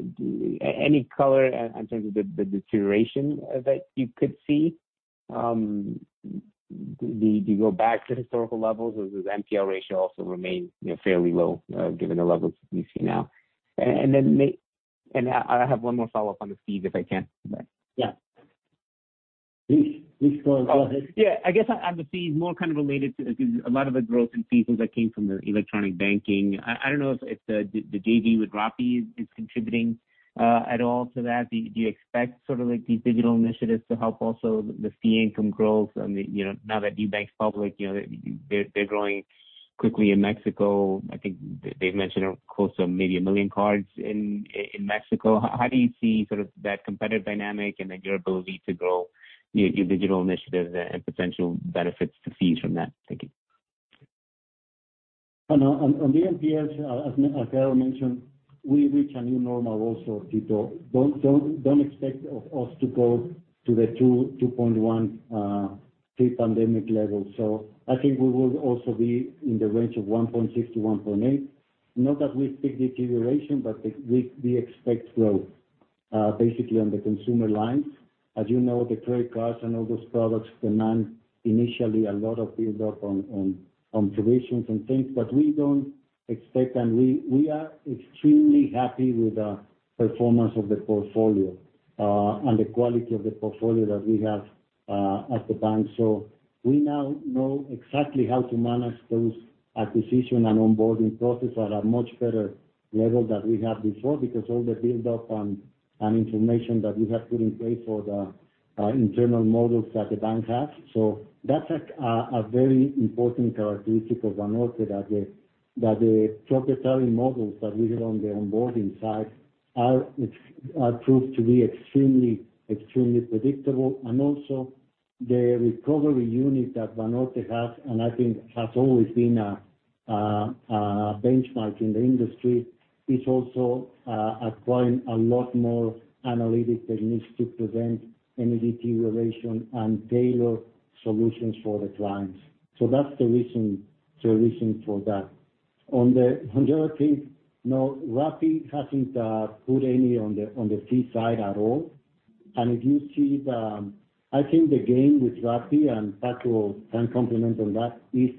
any color in terms of the deterioration that you could see, do you go back to historical levels or does NPL ratio also remain, you know, fairly low given the levels we see now? I have one more follow-up on the fees, if I can. Yeah. Please, please go ahead. Yeah. I guess on the fees, more kind of related to, because a lot of the growth in fees was that came from the electronic banking. I don't know if the JV with Rappi is contributing at all to that. Do you expect sort of like these digital initiatives to help also the fee income growth? I mean, you know, now that Nubank's public, you know, they're growing quickly in Mexico. I think they've mentioned close to maybe 1 million cards in Mexico. How do you see sort of that competitive dynamic and then your ability to grow your digital initiatives and potential benefits to fees from that? Thank you. On the NPLs, as Gerardo mentioned, we reach a new normal also, Tito. Don't expect of us to go to the 2.1 pre-pandemic level. I think we will also be in the range of 1.6%-1.8%. Not that we expect deterioration, but we expect growth basically on the consumer lines. As you know, the credit cards and all those products demand initially a lot of build-up on provisions and things, but we don't expect, and we are extremely happy with the performance of the portfolio and the quality of the portfolio that we have at the bank. We now know exactly how to manage those acquisition and onboarding process at a much better level than we had before because all the build-up and information that we have put in place for the internal models that the bank has. That's a very important characteristic of Banorte, that the proprietary models that we have on the onboarding side are proved to be extremely predictable. Also the recovery unit that Banorte has, and I think has always been a benchmark in the industry, is also acquiring a lot more analytic techniques to prevent any deterioration and tailor solutions for the clients. That's the reason for that. On the other thing, no, Rappi hasn't put any on the fee side at all. If you see the... I think the gain with Rappi, and Paco can complement on that, is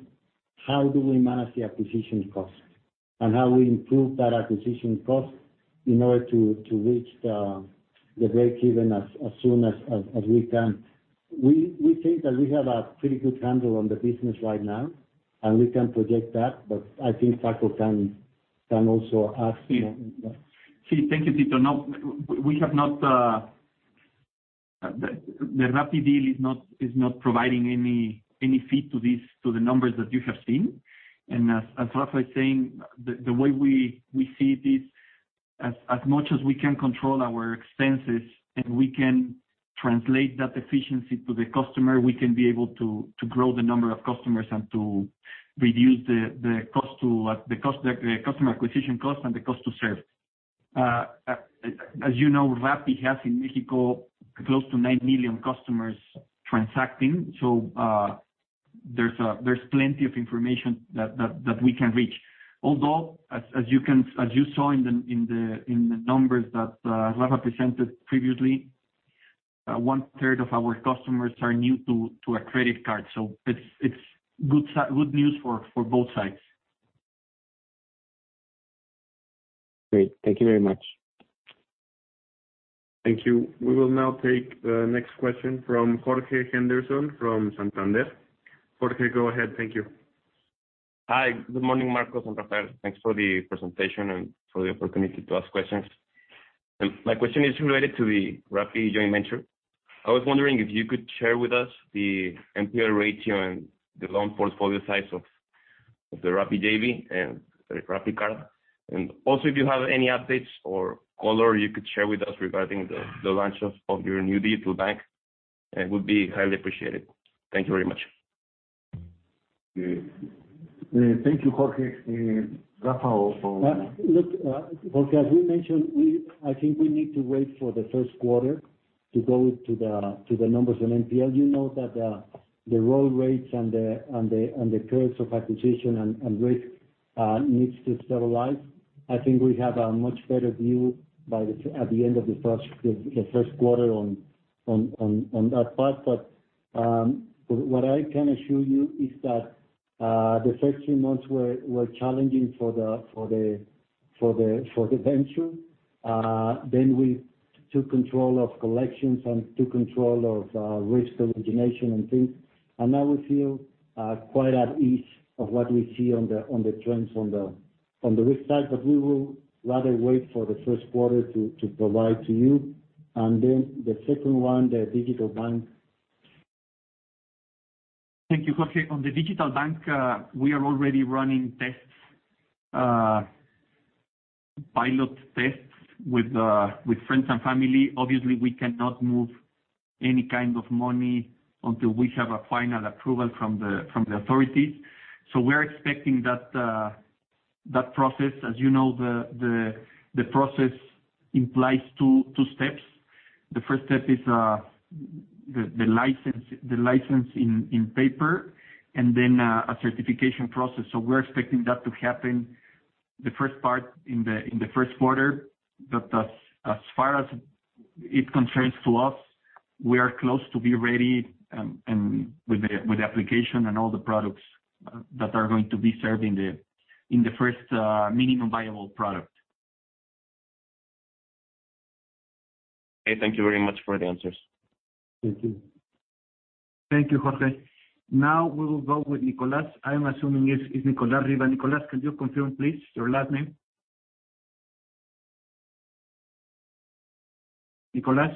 how do we manage the acquisition cost and how we improve that acquisition cost in order to reach the breakeven as soon as we can. We think that we have a pretty good handle on the business right now, and we can project that, but I think Paco can also add more on that. Sí. Thank you, Tito. No, we have not. The Rappi deal is not providing any fee to the numbers that you have seen. As Rafael is saying, the way we see this- As much as we can control our expenses and we can translate that efficiency to the customer, we can be able to grow the number of customers and to reduce the cost to the customer acquisition cost and the cost to serve. As you know, Rappi has in Mexico close to 9 million customers transacting, so there's plenty of information that we can reach. Although as you saw in the numbers that Rafa presented previously, one third of our customers are new to a credit card. So it's good news for both sides. Great. Thank you very much. Thank you. We will now take the next question from Jorge Henderson from Santander. Jorge, go ahead. Thank you. Hi. Good morning, Marcos and Rafael. Thanks for the presentation and for the opportunity to ask questions. My question is related to the Rappi joint venture. I was wondering if you could share with us the NPL ratio and the loan portfolio size of the Rappi JV and the Rappi Card. Also, if you have any updates or color you could share with us regarding the launch of your new digital bank, it would be highly appreciated. Thank you very much. Thank you, Jorge. Rafa or- Look, Jorge, as we mentioned, I think we need to wait for the Q1 to go to the numbers on NPL. You know that the roll rates and the curves of acquisition and risk need to stabilize. I think we have a much better view by at the end of the Q1 on that part. What I can assure you is that the first few months were challenging for the venture. We took control of collections and took control of risk origination and things. Now we feel quite at ease of what we see on the trends on the risk side. We will rather wait for the Q1 to provide to you. Then the second one, the digital bank. Thank you, Jorge. On the digital bank, we are already running tests, pilot tests with friends and family. Obviously, we cannot move any kind of money until we have a final approval from the authorities. We're expecting that process. As you know, the process implies two steps. The first step is the license in paper, and then a certification process. We're expecting that to happen the first part in the Q1. As far as it concerns to us, we are close to be ready, and with the application and all the products that are going to be serving in the first minimum viable product. Okay. Thank you very much for the answers. Thank you. Thank you, Jorge. Now we will go with Nicolas. I'm assuming it's Nicolas Riva. Nicolas, can you confirm, please, your last name? Nicolas?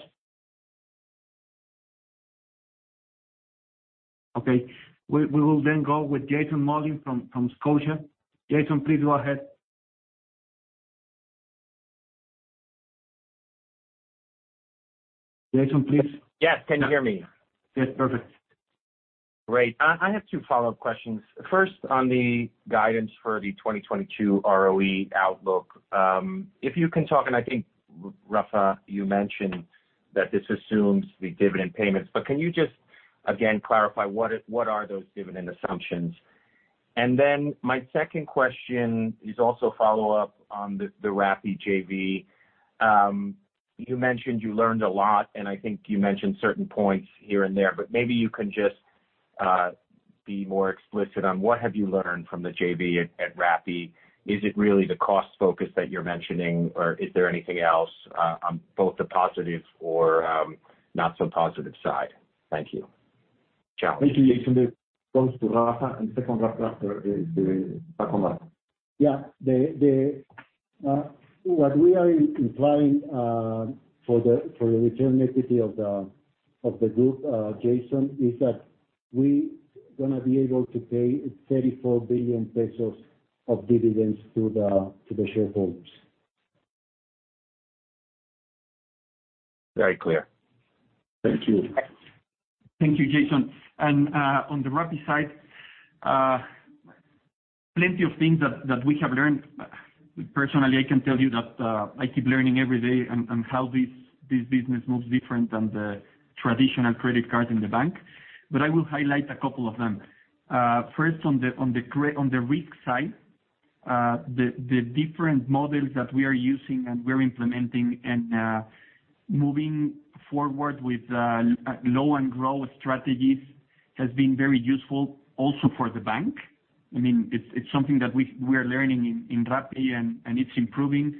Okay. We will then go with Jason Mollin from Scotiabank. Jason, please go ahead. Yes. Can you hear me? Yes. Perfect. Great. I have two follow-up questions. First, on the guidance for the 2022 ROE outlook, if you can talk, and I think, Rafa, you mentioned that this assumes the dividend payments, but can you just again clarify what are those dividend assumptions? Then my second question is also a follow-up on the Rappi JV. You mentioned you learned a lot, and I think you mentioned certain points here and there, but maybe you can just be more explicit on what have you learned from the JV at Rappi. Is it really the cost focus that you're mentioning, or is there anything else on both the positive or not so positive side? Thank you. Ciao. Thank you, Jason. The first to Rafa, and second Rafa after Nicholas. Yeah. What we are implying for the return on equity of the group, Jason, is that we gonna be able to pay 34 billion pesos of dividends to the shareholders. Very clear. Thank you. Thank you, Jason. On the Rappi side, plenty of things that we have learned. Personally, I can tell you that I keep learning every day on how this business moves different than the traditional credit card in the bank. I will highlight a couple of them. First on the risk side, the different models that we are using and we're implementing and moving forward with low and grow strategies has been very useful also for the bank. I mean, it's something that we are learning in Rappi and it's improving,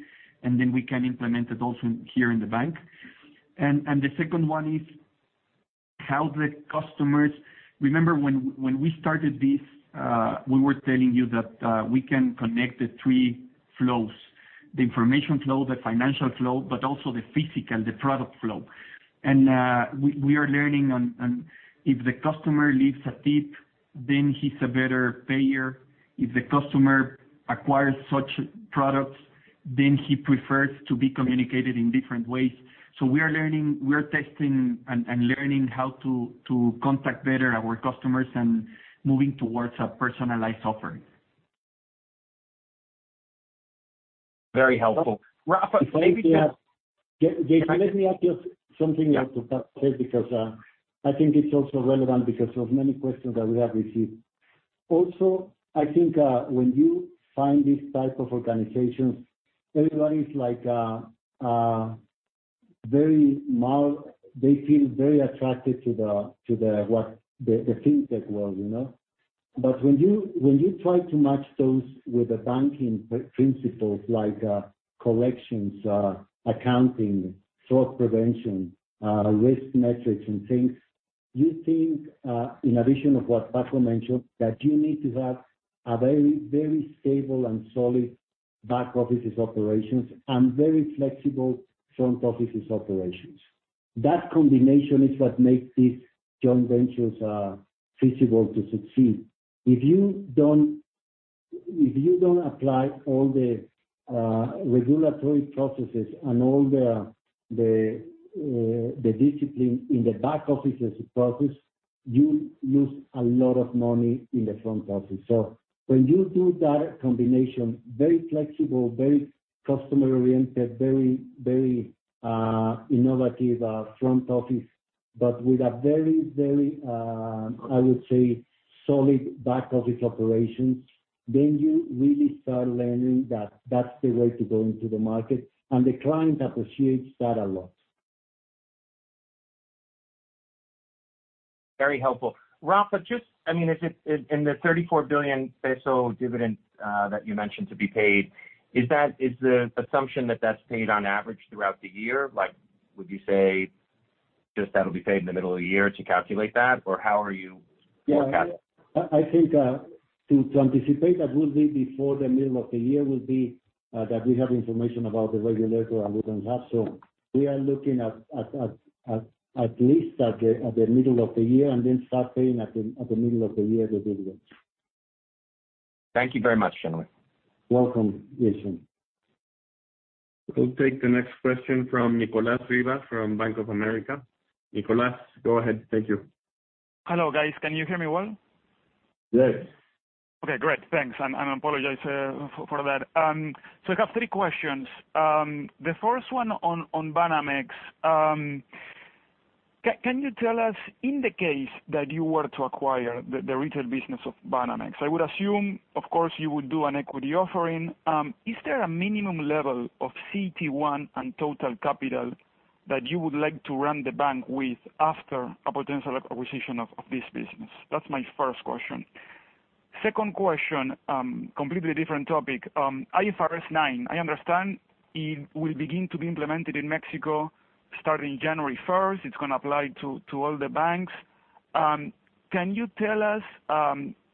and then we can implement it also here in the bank. The second one is, remember when we started this, we were telling you that we can connect the three flows, the information flow, the financial flow, but also the physical, the product flow. We are learning on if the customer leaves a tip He's a better payer. If the customer acquires such products, then he prefers to be communicated in different ways. We are learning, we are testing and learning how to contact better our customers and moving towards a personalized offering. Very helpful. Rafa, maybe just. If I may, Jason, let me add just something to that. Yeah Because I think it's also relevant because of many questions that we have received. Also, I think when you find this type of organizations, everybody's like very millennial. They feel very attracted to the fintech world, you know? When you try to match those with the banking principles like collections, accounting, fraud prevention, risk metrics and things, you think in addition to what Paco mentioned, that you need to have a very stable and solid back-office operations and very flexible front-office operations. That combination is what makes these joint ventures feasible to succeed. If you don't apply all the regulatory processes and all the discipline in the back-office process, you lose a lot of money in the front office. when you do that combination, very flexible, very customer-oriented, very innovative, front office, but with a very, I would say, solid back office operations, then you really start learning that that's the way to go into the market. The client appreciates that a lot. Very helpful. Rafa, I mean, is it in the 34 billion peso dividend that you mentioned to be paid, is the assumption that that's paid on average throughout the year? Like, would you say just that'll be paid in the middle of the year to calculate that? Or how are you forecasting? Yeah. I think to anticipate that will be before the middle of the year that we have information about the regulatory and we don't have. We are looking at least at the middle of the year and then start paying at the middle of the year the dividends. Thank you very much, gentlemen. Welcome, Jason. We'll take the next question from Nicolas Riva from Bank of America. Nicolas, go ahead. Thank you. Hello, guys. Can you hear me well? Yes. Okay, great. Thanks. Apologize for that. I have three questions. The first one on Banamex. Can you tell us in the case that you were to acquire the retail business of Banamex? I would assume, of course, you would do an equity offering. Is there a minimum level of CET1 and total capital that you would like to run the bank with after a potential acquisition of this business? That's my first question. Second question, completely different topic. IFRS 9, I understand it will begin to be implemented in Mexico starting January first. It's gonna apply to all the banks. Can you tell us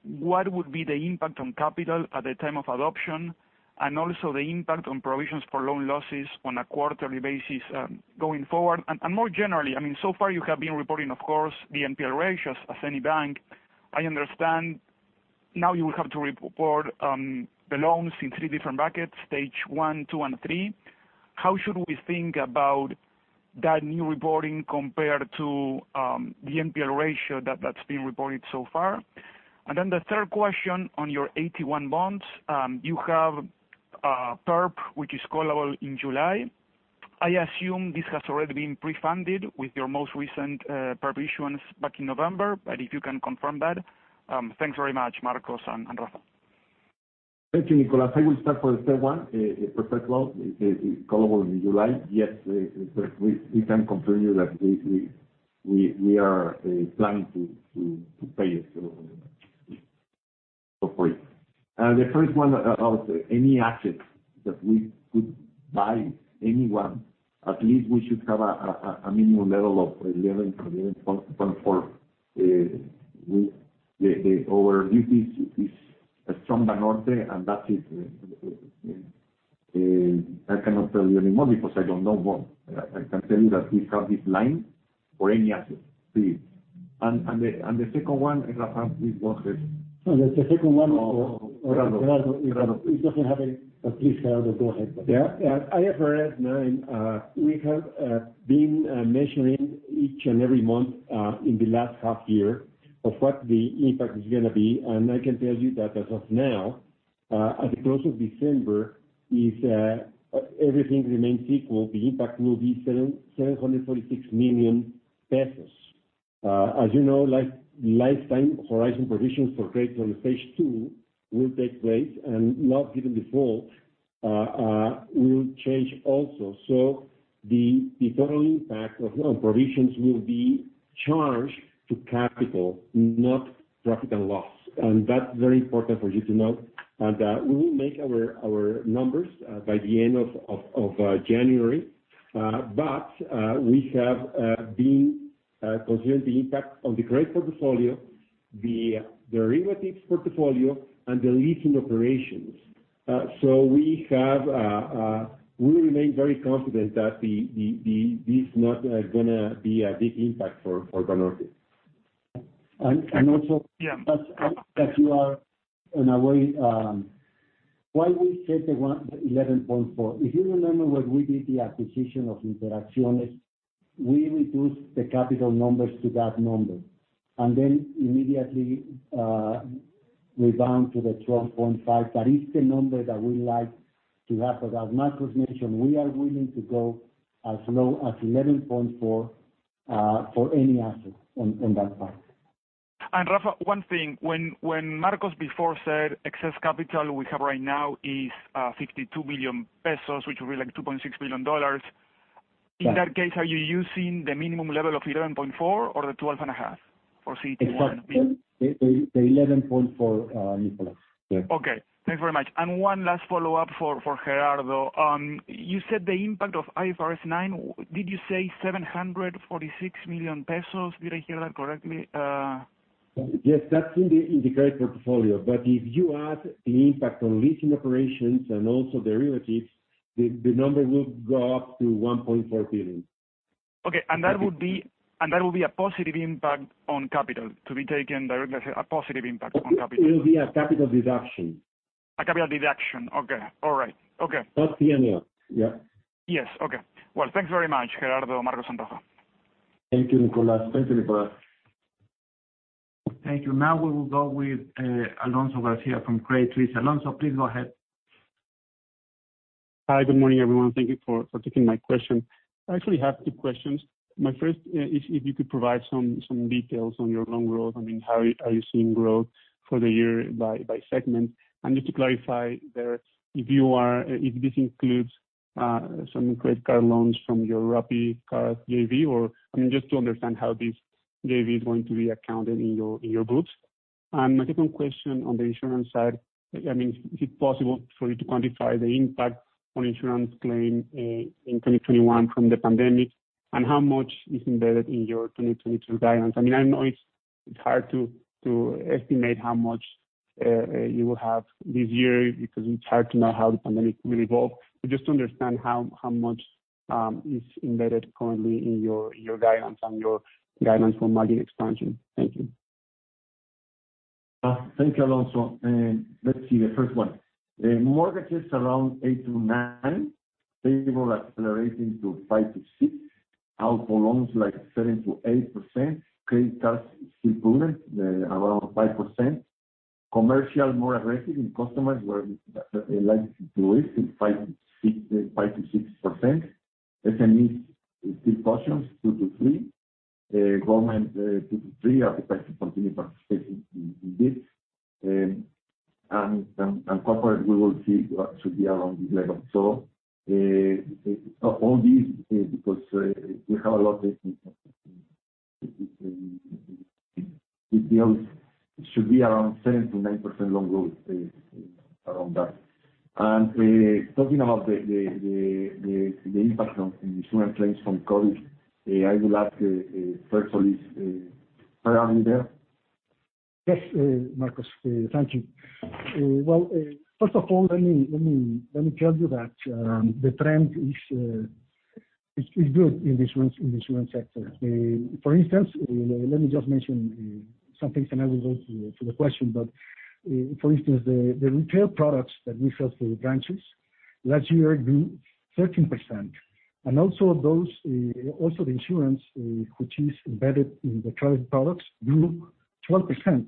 what would be the impact on capital at the time of adoption, and also the impact on provisions for loan losses on a quarterly basis going forward? More generally, I mean, so far you have been reporting, of course, the NPL ratios as any bank. I understand now you will have to report the loans in three different brackets, stage one, two, and three. How should we think about that new reporting compared to the NPL ratio that's been reported so far? The third question on your AT1 bonds. You have a perp which is callable in July. I assume this has already been pre-funded with your most recent perp issuance back in November. If you can confirm that, thanks very much, Marcos and Rafa. Thank you, Nicolas. I will start for the third one, the perpetual, the callable in July. Yes, we are planning to pay it for you. The first one of any assets that we could buy, any one, at least we should have a minimum level of 11.4. The overview is a strong Banorte, and that is, I cannot tell you anymore because I don't know more. I can tell you that we have this line for any asset. The second one, and Rafa please go ahead. No, the second one. Gerardo. Gerardo. Please, Gerardo, go ahead. Yeah. IFRS 9, we have been measuring each and every month in the last half year of what the impact is gonna be. I can tell you that as of now, at the close of December, if everything remains equal, the impact will be 746 million pesos. As you know, like, lifetime horizon provisions for credits on phase two will take place, and loss given default will change also. The total impact of loan provisions will be charged to capital, not profit and loss. That's very important for you to know. We will make our numbers by the end of January. We have been considering the impact on the credit portfolio, the derivatives portfolio, and the leasing operations. We remain very confident that this is not gonna be a big impact for Banorte. And, and also- Yeah. That you are in a way why we set the 11.4%. If you remember when we did the acquisition of Interacciones, we reduced the capital numbers to that number. Then immediately we went to the 12.5%. That is the number that we like to have. As Marcos mentioned, we are willing to go as low as 11.4%, for any asset on that part. Rafa, one thing. When Marcos before said excess capital we have right now is 52 billion pesos, which will be like $2.6 billion. Yeah. In that case, are you using the minimum level of 11.4 or the 12.5 for CET1? Exactly. The 11.4, Nicolas. Yeah. Okay. Thanks very much. One last follow-up for Gerardo. You said the impact of IFRS 9, did you say 746 million pesos? Did I hear that correctly? Yes, that's in the credit portfolio. If you add the impact on leasing operations and also derivatives, the number will go up to 1.4 billion. Okay. That would be a positive impact on capital to be taken directly as a positive impact on capital. It will be a capital deduction. A capital deduction. Okay. All right. Okay. Post P&L. Yeah. Yes. Okay. Well, thanks very much, Gerardo, Marcos, and Rafa. Thank you, Nicolas. Thanks, Nicolas. Thank you. Now we will go with, Alonso Garcia from Credit Suisse. Alonso, please go ahead. Hi, good morning, everyone. Thank you for taking my question. I actually have two questions. My first is if you could provide some details on your loan growth. I mean, how are you seeing growth for the year by segment? And just to clarify there, if this includes some credit card loans from your RappiCard JV, or, I mean, just to understand how this JV is going to be accounted in your books. And my second question on the insurance side, I mean, is it possible for you to quantify the impact on insurance claim in 2021 from the pandemic, and how much is embedded in your 2022 guidance? I mean, I know it's hard to estimate how much you will have this year because it's hard to know how the pandemic will evolve. Just to understand how much is embedded currently in your guidance and your guidance for margin expansion. Thank you. Thank you, Alonso. Let's see, the first one. The mortgage is around 8%-9%. Payables accelerating to 5%-6%. Auto loans like 7%-8%. Credit cards is improving around 5%. Commercial, more aggressive, and customers were likely to it's 5%-6%. SMEs is still cautious, 2%-3%. Government, two to three are expected to continue participating in this. Corporate we will see, but should be around this level. All these because we have a lot of it should be around 7%-9% loan growth, around that. Talking about the impact on insurance claims from COVID, I will ask firstly Gerardo there. Yes, Marcos, thank you. Well, first of all, let me tell you that the trend is good in the insurance sector. For instance, let me just mention some things and I will go to the question. For instance, the retail products that we sell through branches last year grew 13%. Also the insurance which is embedded in the current products grew 12%.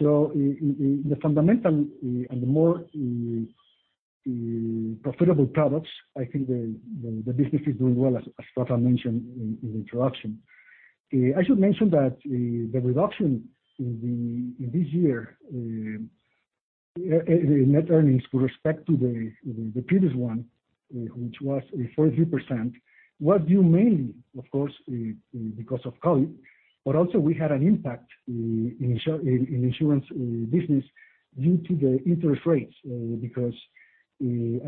The fundamental and the more profitable products, I think the business is doing well, as Rafa mentioned in the introduction. I should mention that the reduction in the net earnings this year with respect to the previous one, which was 40%, was due mainly, of course, because of COVID, but also we had an impact in insurance business due to the interest rates. Because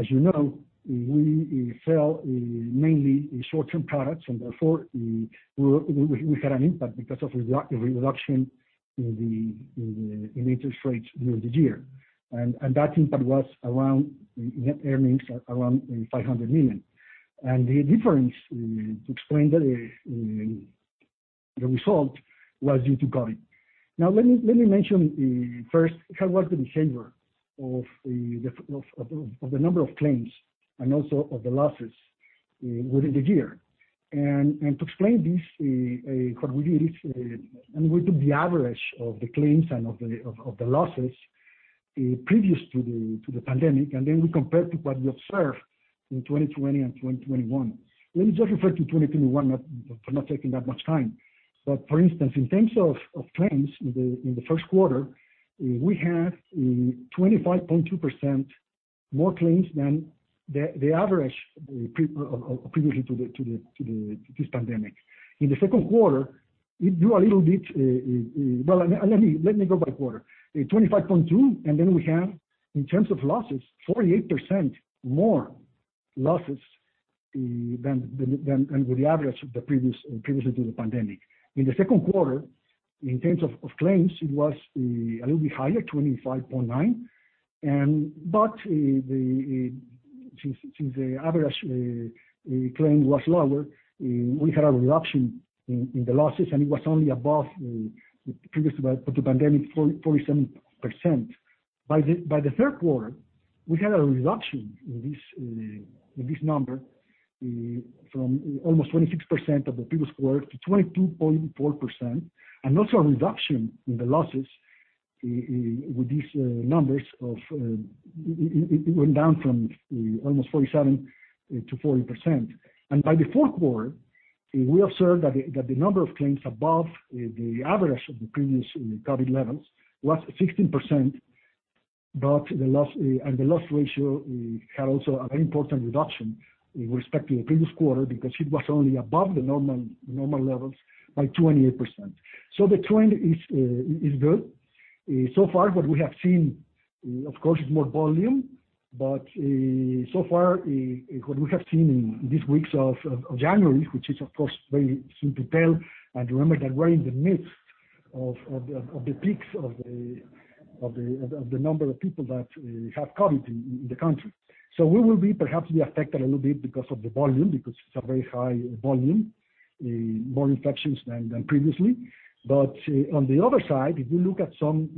as you know, we sell mainly short-term products, and therefore we had an impact because of the reduction in the interest rates during the year. That impact was around 500 million in net earnings. The difference to explain the result was due to COVID. Now, let me mention first how was the behavior of the difference of the number of claims and also of the losses within the year. To explain this, what we did, we took the average of the claims and of the losses previous to the pandemic, and then we compared to what we observed in 2020 and 2021. Let me just refer to 2021, not for taking that much time. For instance, in terms of claims in the Q1, we had 25.2% more claims than the average previously to this pandemic. In the Q2, it grew a little bit, well, let me go by quarter. 25.2, and then we have, in terms of losses, 48% more losses than with the average of the previous to the pandemic. In the Q2, in terms of claims, it was a little bit higher, 25.9. But since the average claim was lower, we had a reduction in the losses, and it was only above the previous to the pandemic 47%. By the Q3, we had a reduction in this number from almost 26% of the previous quarter to 22.4%, and also a reduction in the losses with these numbers. It went down from almost 47 to 40%. By the Q4, we observed that the number of claims above the average of the previous COVID levels was 16%. The loss ratio had also a very important reduction with respect to the previous quarter because it was only above the normal levels by 28%. The trend is good. So far what we have seen, of course, is more volume. So far, what we have seen in these weeks of January, which is of course very soon to tell, and remember that we're in the midst of the peaks of the number of people that have COVID in the country. We will be perhaps affected a little bit because of the volume, because it's a very high volume, more infections than previously. On the other side, if you look at some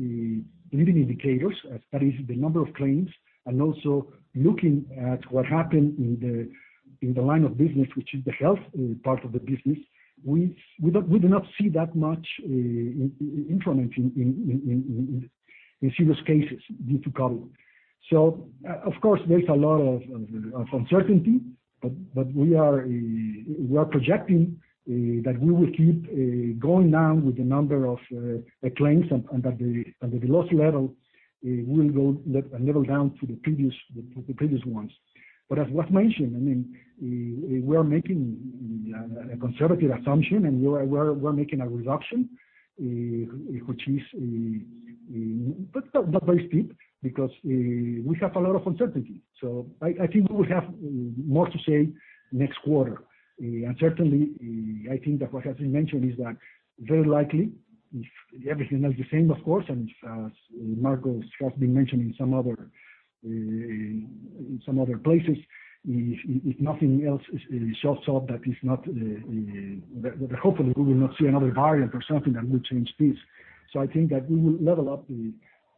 leading indicators, that is, the number of claims, and also looking at what happened in the line of business, which is the health part of the business, we do not see that much increase in serious cases due to COVID. Of course, there is a lot of uncertainty, but we are projecting that we will keep going down with the number of claims and that the loss level will go a level down to the previous ones. As was mentioned, I mean, we are making a conservative assumption, and we are making a reduction, which is but not very steep because we have a lot of uncertainty. I think we will have more to say next quarter. Certainly, I think that what has been mentioned is that very likely, if everything else the same, of course, and as Marco has been mentioning some other places, if nothing else shows up that is not. That hopefully we will not see another variant or something that will change this. I think that we will level up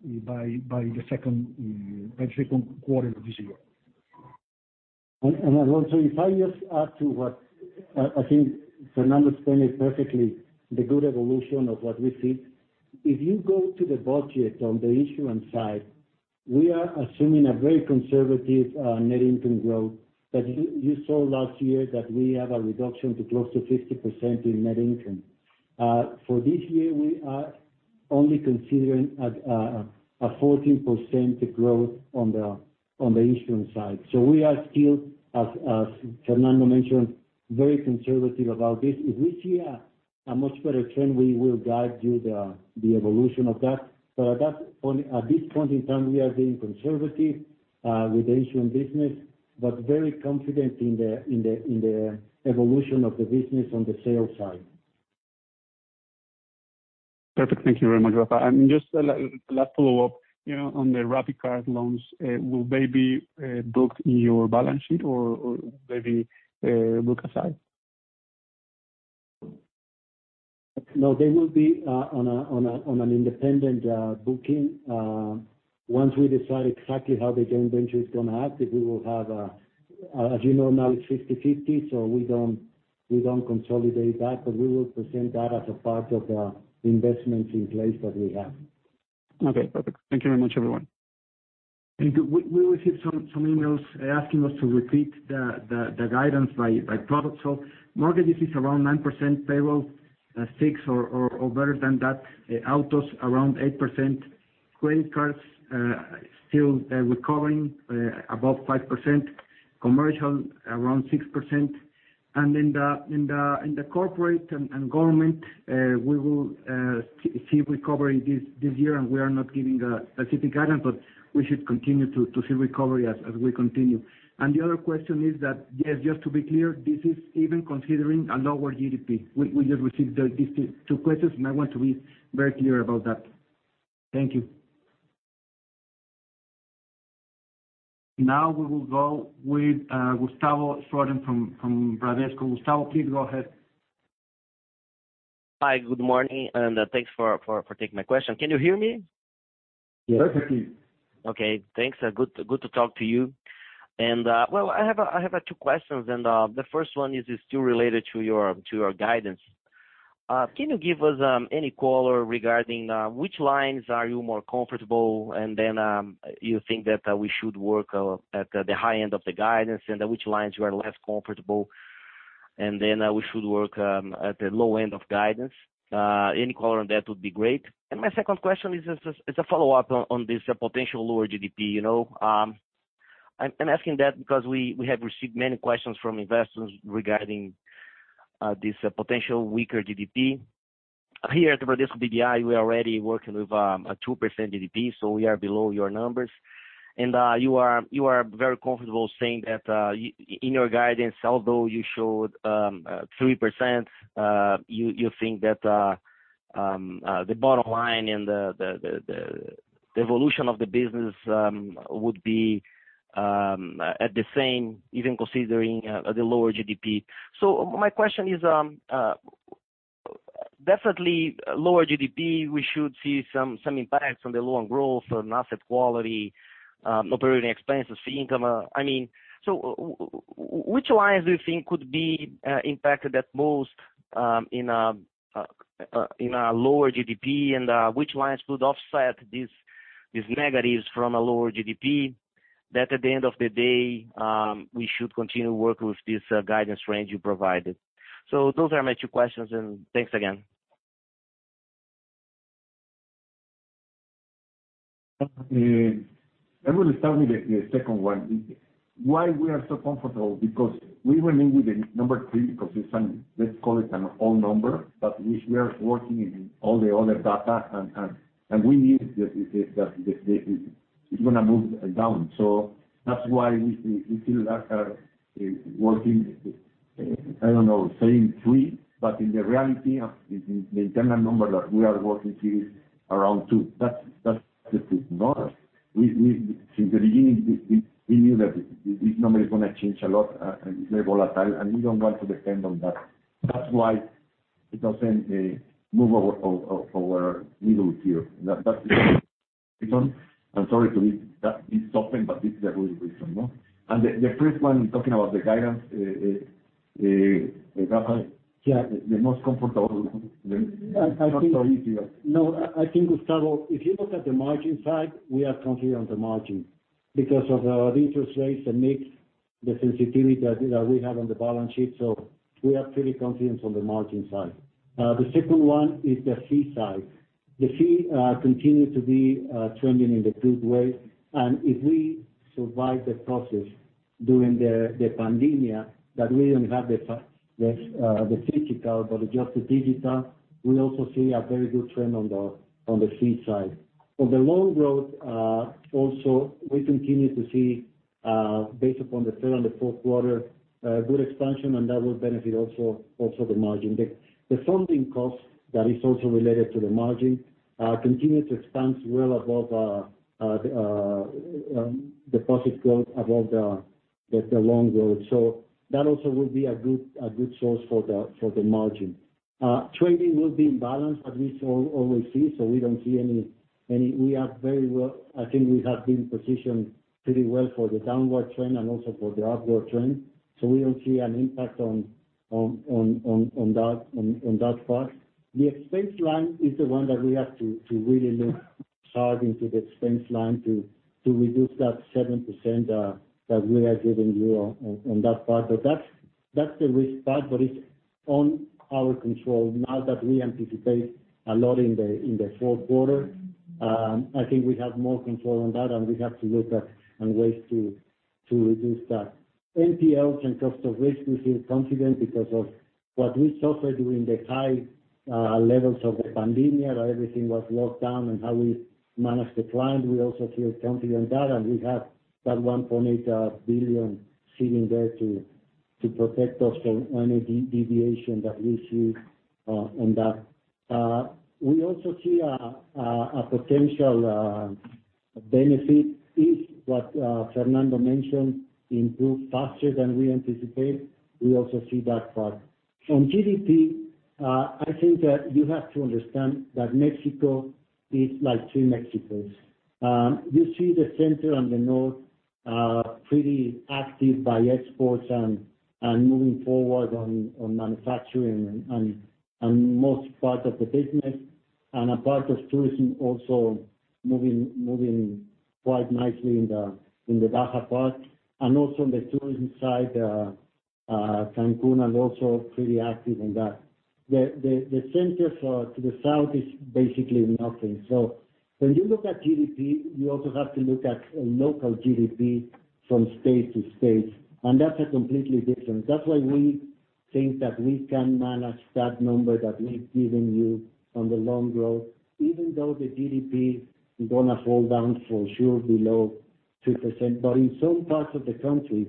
by the Q2 of this year. Also if I just add to what I think Fernando explained it perfectly, the good evolution of what we see. If you go to the budget on the issuance side, we are assuming a very conservative net income growth, but you saw last year that we have a reduction to close to 50% in net income. For this year, we are only considering a 14% growth on the issuance side. We are still, as Fernando mentioned, very conservative about this. If we see a much better trend, we will guide you the evolution of that. But at this point in time, we are being conservative with the issuance business, but very confident in the evolution of the business on the sales side. Perfect. Thank you very much, Rafa. Just a last follow-up, you know, on the RappiCard loans, will they be booked in your balance sheet or maybe booked aside? No, they will be on an independent booking. Once we decide exactly how the joint venture is gonna act, if we will have a. As you know now it's 50-50, so we don't consolidate that, but we will present that as a part of investments in place that we have. Okay, perfect. Thank you very much, everyone. We received some emails asking us to repeat the guidance by product. Mortgages is around 9%, payroll six or better than that. Autos around 8%. Credit cards still recovering above 5%. Commercial around 6%. In the corporate and government, we will see recovery this year, and we are not giving a specific guidance, but we should continue to see recovery as we continue. The other question is that, yes, just to be clear, this is even considering a lower GDP. We just received these two questions, and I want to be very clear about that. Thank you. Now we will go with Gustavo Schroden from Bradesco. Gustavo, please go ahead. Hi, good morning, and thanks for taking my question. Can you hear me? Perfectly. Okay, thanks. Good to talk to you. Well, I have two questions, and the first one is still related to your guidance. Can you give us any color regarding which lines you are more comfortable, and then you think that we should work at the high end of the guidance, and then which lines you are less comfortable, and then we should work at the low end of guidance? Any color on that would be great. My second question is a follow-up on this potential lower GDP, you know. I'm asking that because we have received many questions from investors regarding this potential weaker GDP. Here at the Bradesco BBI, we are already working with a 2% GDP, so we are below your numbers. You are very comfortable saying that in your guidance, although you showed 3%, you think that the bottom line and the evolution of the business would be at the same, even considering the lower GDP. My question is, with definitely lower GDP we should see some impacts on the loan growth on asset quality, operating expenses, fee income. I mean, which lines do you think could be impacted that most in a lower GDP? Which lines could offset these negatives from a lower GDP, that at the end of the day, we should continue working with this guidance range you provided. Those are my two questions, and thanks again. I will start with the second one. Why we are so comfortable, because we were named with the number 3, because it's, let's call it an odd number, but which we are working in all the other data. It's gonna move down. That's why we feel that, working, I don't know, saying 3, but in the reality of the internal number that we are working is around 2. That's the truth. No, we since the beginning, we knew that this number is gonna change a lot, and it's very volatile, and we don't want to depend on that. That's why it doesn't move our needle here. That's the reason. I'm sorry to be that soft, but this is a good reason. No? The first one, talking about the guidance, Rafael. Yeah. The most comfortable. No, I think, Gustavo, if you look at the margin side, we are confident on the margin because of the interest rates, the mix, the sensitivity that we have on the balance sheet. We are pretty confident on the margin side. The second one is the fee side. The fee continues to be trending in the good way. If we survive the process during the pandemic, that we don't have the physical, but just the digital, we also see a very good trend on the fee side. On the loan growth, also we continue to see, based upon the third and the Q4, good expansion, and that will benefit also the margin. The funding cost that is also related to the margin continue to expand well above deposit growth above the loan growth. That also will be a good source for the margin. Trading will be in balance at least as we see, so we don't see any impact on that part. I think we have been positioned pretty well for the downward trend and also for the upward trend, so we don't see an impact on that part. The expense line is the one that we have to really look hard into the expense line to reduce that 7% that we have given you on that part. That's the risk part, but it's in our control now that we anticipate a lot in the Q4. I think we have more control on that, and we have to look at ways to reduce that. NPLs and cost of risk, we feel confident because of what we suffered during the high levels of the pandemic, everything was locked down and how we managed the client. We also feel confident in that, and we have that 1.8 billion sitting there to protect us from any deviation that we see on that. We also see a potential benefit if what Fernando mentioned improve faster than we anticipate. We also see that part. On GDP, I think that you have to understand that Mexico is like two Mexicos. You see the center and the north are pretty active by exports and moving forward on manufacturing and most part of the business. A part of tourism also moving quite nicely in the Baja part. Also on the tourism side, Cancún and also pretty active in that. The centers to the south is basically nothing. So when you look at GDP, you also have to look at local GDP from state to state, and that's a completely different. That's why we think that we can manage that number that we've given you on the loan growth, even though the GDP is gonna fall down for sure below 2%. In some parts of the country,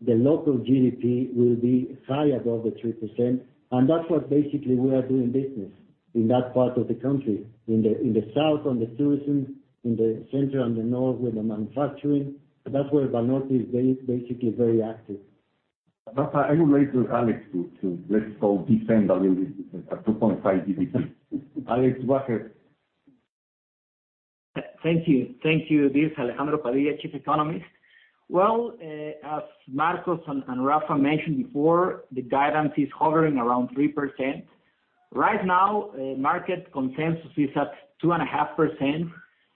the local GDP will be higher above the 3%. That's what basically we are doing business in that part of the country. In the south, on the tourism, in the center and the north, with the manufacturing. That's where Banorte is basically very active. Rafael, I will let Alex defend a little bit at 2.5 billion. Alex, go ahead. Thank you. This is Alejandro Padilla, Chief Economist. Well, as Marcos and Rafael mentioned before, the guidance is hovering around 3%. Right now, market consensus is at 2.5%.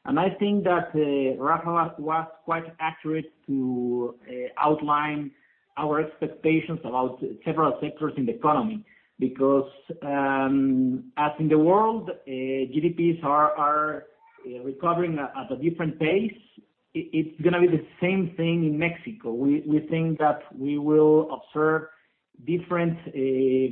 I think that Rafael was quite accurate to outline our expectations about several sectors in the economy. As in the world, GDPs are recovering at a different pace. It's gonna be the same thing in Mexico. We think that we will observe different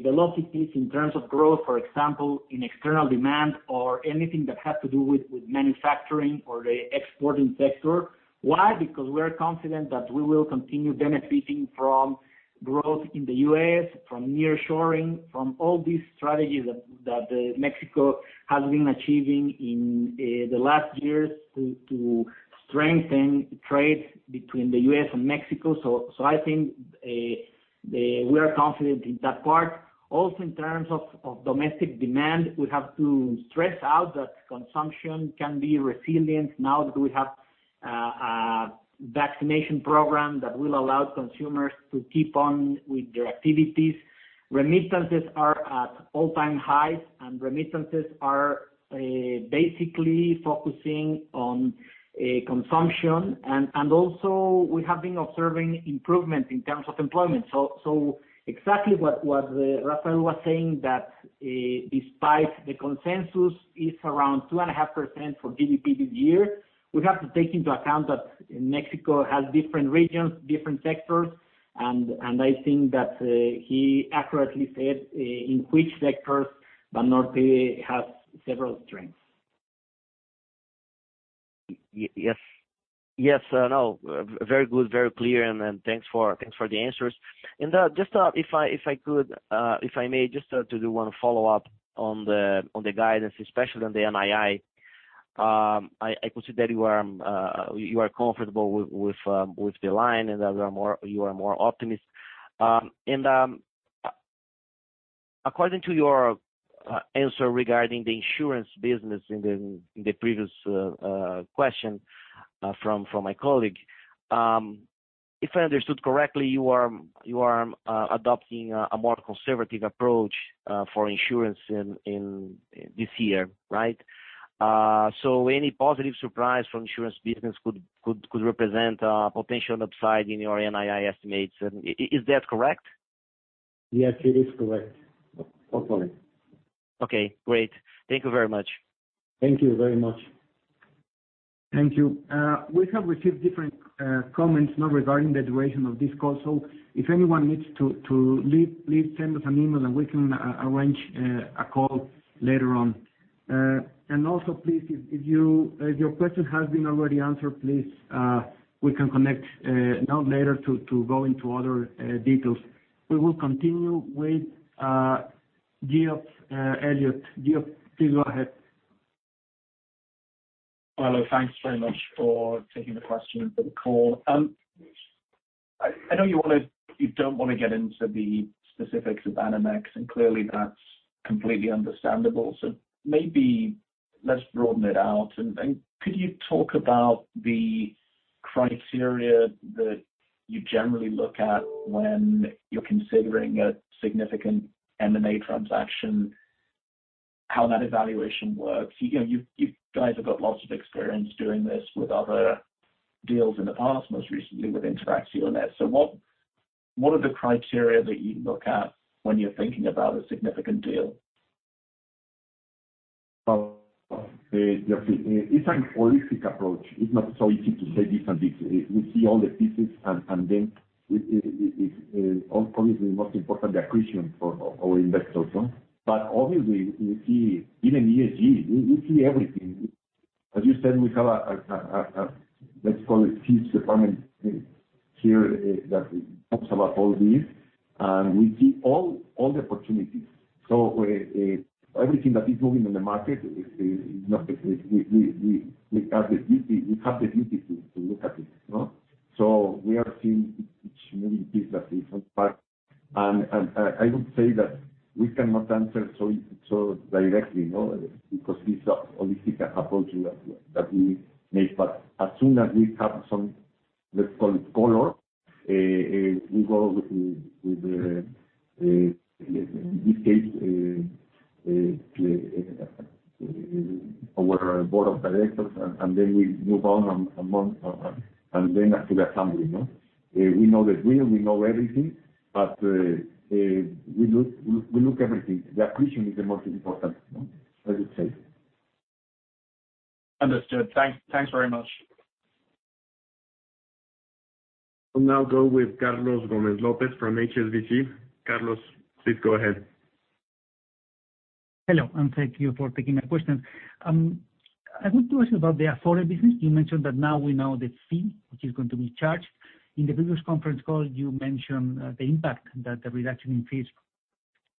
velocities in terms of growth, for example, in external demand or anything that has to do with manufacturing or the exporting sector. Why? Because we are confident that we will continue benefiting from growth in the U.S., from nearshoring, from all these strategies that Mexico has been achieving in the last years to strengthen trade between the U.S. and Mexico. We are confident in that part. Also, in terms of domestic demand, we have to stress out that consumption can be resilient now that we have vaccination program that will allow consumers to keep on with their activities. Remittances are at all-time highs, and remittances are basically focusing on consumption. Also we have been observing improvement in terms of employment. Exactly what Rafael was saying that, despite the consensus is around 2.5% for GDP this year, we have to take into account that Mexico has different regions, different sectors. I think that he accurately said in which sectors Banorte has several strengths. Yes. Yes, no, very good, very clear. Thanks for the answers. Just, if I could, if I may just to do one follow-up on the guidance, especially on the NII. I consider you are comfortable with the line and that you are more optimistic. According to your answer regarding the insurance business in the previous question from my colleague, if I understood correctly, you are adopting a more conservative approach for insurance in this year, right? So any positive surprise from insurance business could represent a potential upside in your NII estimates. Is that correct? Yes, it is correct. Hopefully. Okay, great. Thank you very much. Thank you very much. Thank you. We have received different comments now regarding the duration of this call. If anyone needs to leave, please send us an email and we can arrange a call later on. Also please, if your question has been already answered, please, we can connect now or later to go into other details. We will continue with Geoffrey Elliott. Geoff, please go ahead. Hello, thanks very much for taking the question for the call. I know you don't want to get into the specifics of Banamex, and clearly that's completely understandable. So maybe let's broaden it out. Could you talk about the criteria that you generally look at when you're considering a significant M&A transaction, how that evaluation works? You know, you guys have got lots of experience doing this with other deals in the past, most recently with Interacciones. So what are the criteria that you look at when you're thinking about a significant deal? It's a holistic approach. It's not so easy to say different bits. We see all the pieces and then it all comes the most important acquisition for our investors. Obviously we see even ESG. We see everything. As you said, we have a let's call it fees department here that talks about all this. We see all the opportunities. Everything that is moving in the market is not. We have the duty to look at it. We are seeing each moving piece that is different. I would say that we cannot answer so directly, you know, because it's a holistic approach that we make. As soon as we have some, let's call it color, we go with the in this case our board of directors, and then we move on and then after the assembly, you know. We know the dream, we know everything, but we look everything. The acquisition is the most important, as you say. Understood. Thanks very much. We'll now go with Carlos Gomez-Lopez from HSBC. Carlos, please go ahead. Hello, and thank you for taking my question. I want to ask you about the Afore business. You mentioned that now we know the fee which is going to be charged. In the previous conference call, you mentioned the impact that the reduction in fees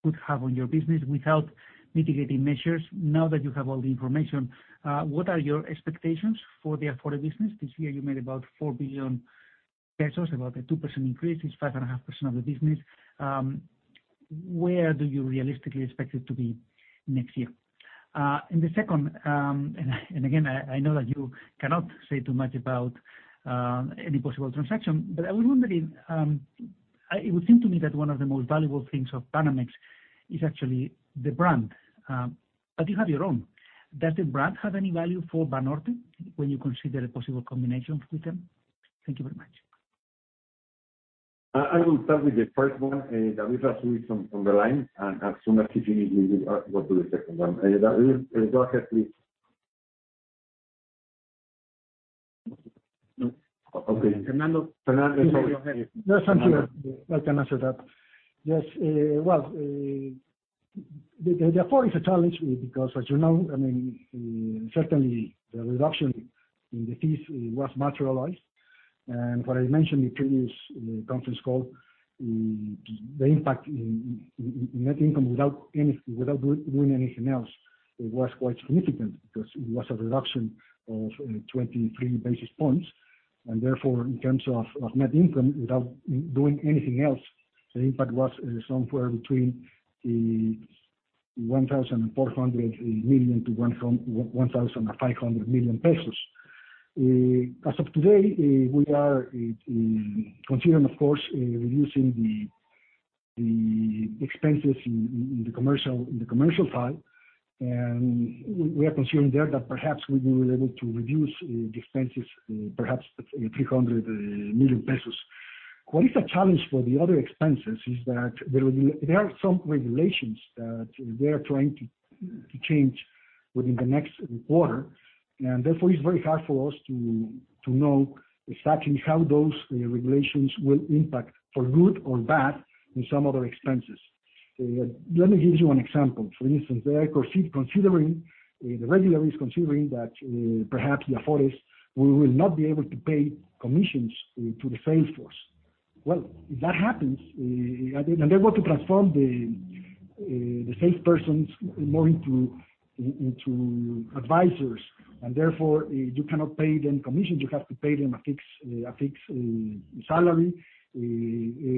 could have on your business without mitigating measures. Now that you have all the information, what are your expectations for the Afore business? This year you made about 4 billion pesos, about a 2% increase. It's 5.5% of the business. Where do you realistically expect it to be next year? The second, again, I know that you cannot say too much about any possible transaction. I was wondering, it would seem to me that one of the most valuable things of Banamex is actually the brand, but you have your own. Does the brand have any value for Banorte when you consider a possible combination with them? Thank you very much. I will start with the first one, and David Azu is on the line. As soon as he's finished, we will go to the second one. David, go ahead please. No. Okay. Fernando. Fernando, sorry. Yes, thank you. I can answer that. Yes, well, the Afore is a challenge because as you know, I mean, certainly the reduction in the fees was materialized. What I mentioned in previous conference call, the impact in net income without doing anything else, it was quite significant because it was a reduction of 23 basis points. Therefore, in terms of net income, without doing anything else, the impact was somewhere between 1,400 million-1,500 million pesos. As of today, we are considering of course reducing the expenses in the commercial side. We are considering there that perhaps we will be able to reduce the expenses perhaps 300 million pesos. What is a challenge for the other expenses is that there are some regulations that we are trying to change within the next quarter. Therefore, it's very hard for us to know exactly how those regulations will impact for good or bad in some other expenses. Let me give you an example. For instance, they are considering the regulator is considering that perhaps the Afores we will not be able to pay commissions to the sales force. Well, if that happens and they want to transform the sales persons more into advisors, and therefore, you cannot pay them commissions, you have to pay them a fixed salary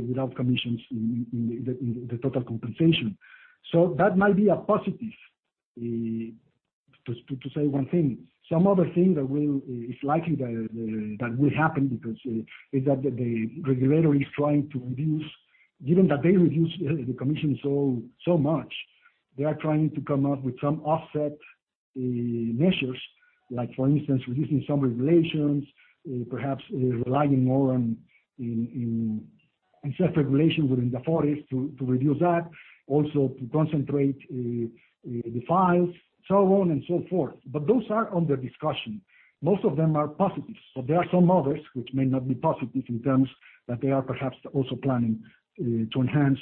without commissions in the total compensation. That might be a positive to say one thing. Some other thing that is likely that will happen because is that the regulator is trying to reduce, given that they reduced the commission so much, they are trying to come up with some offset measures, like for instance, reducing some regulations, perhaps relying more on in self-regulation within the Afores to reduce that. Also to concentrate the files, so on and so forth. Those are under discussion. Most of them are positives, but there are some others which may not be positive in terms that they are perhaps also planning to enhance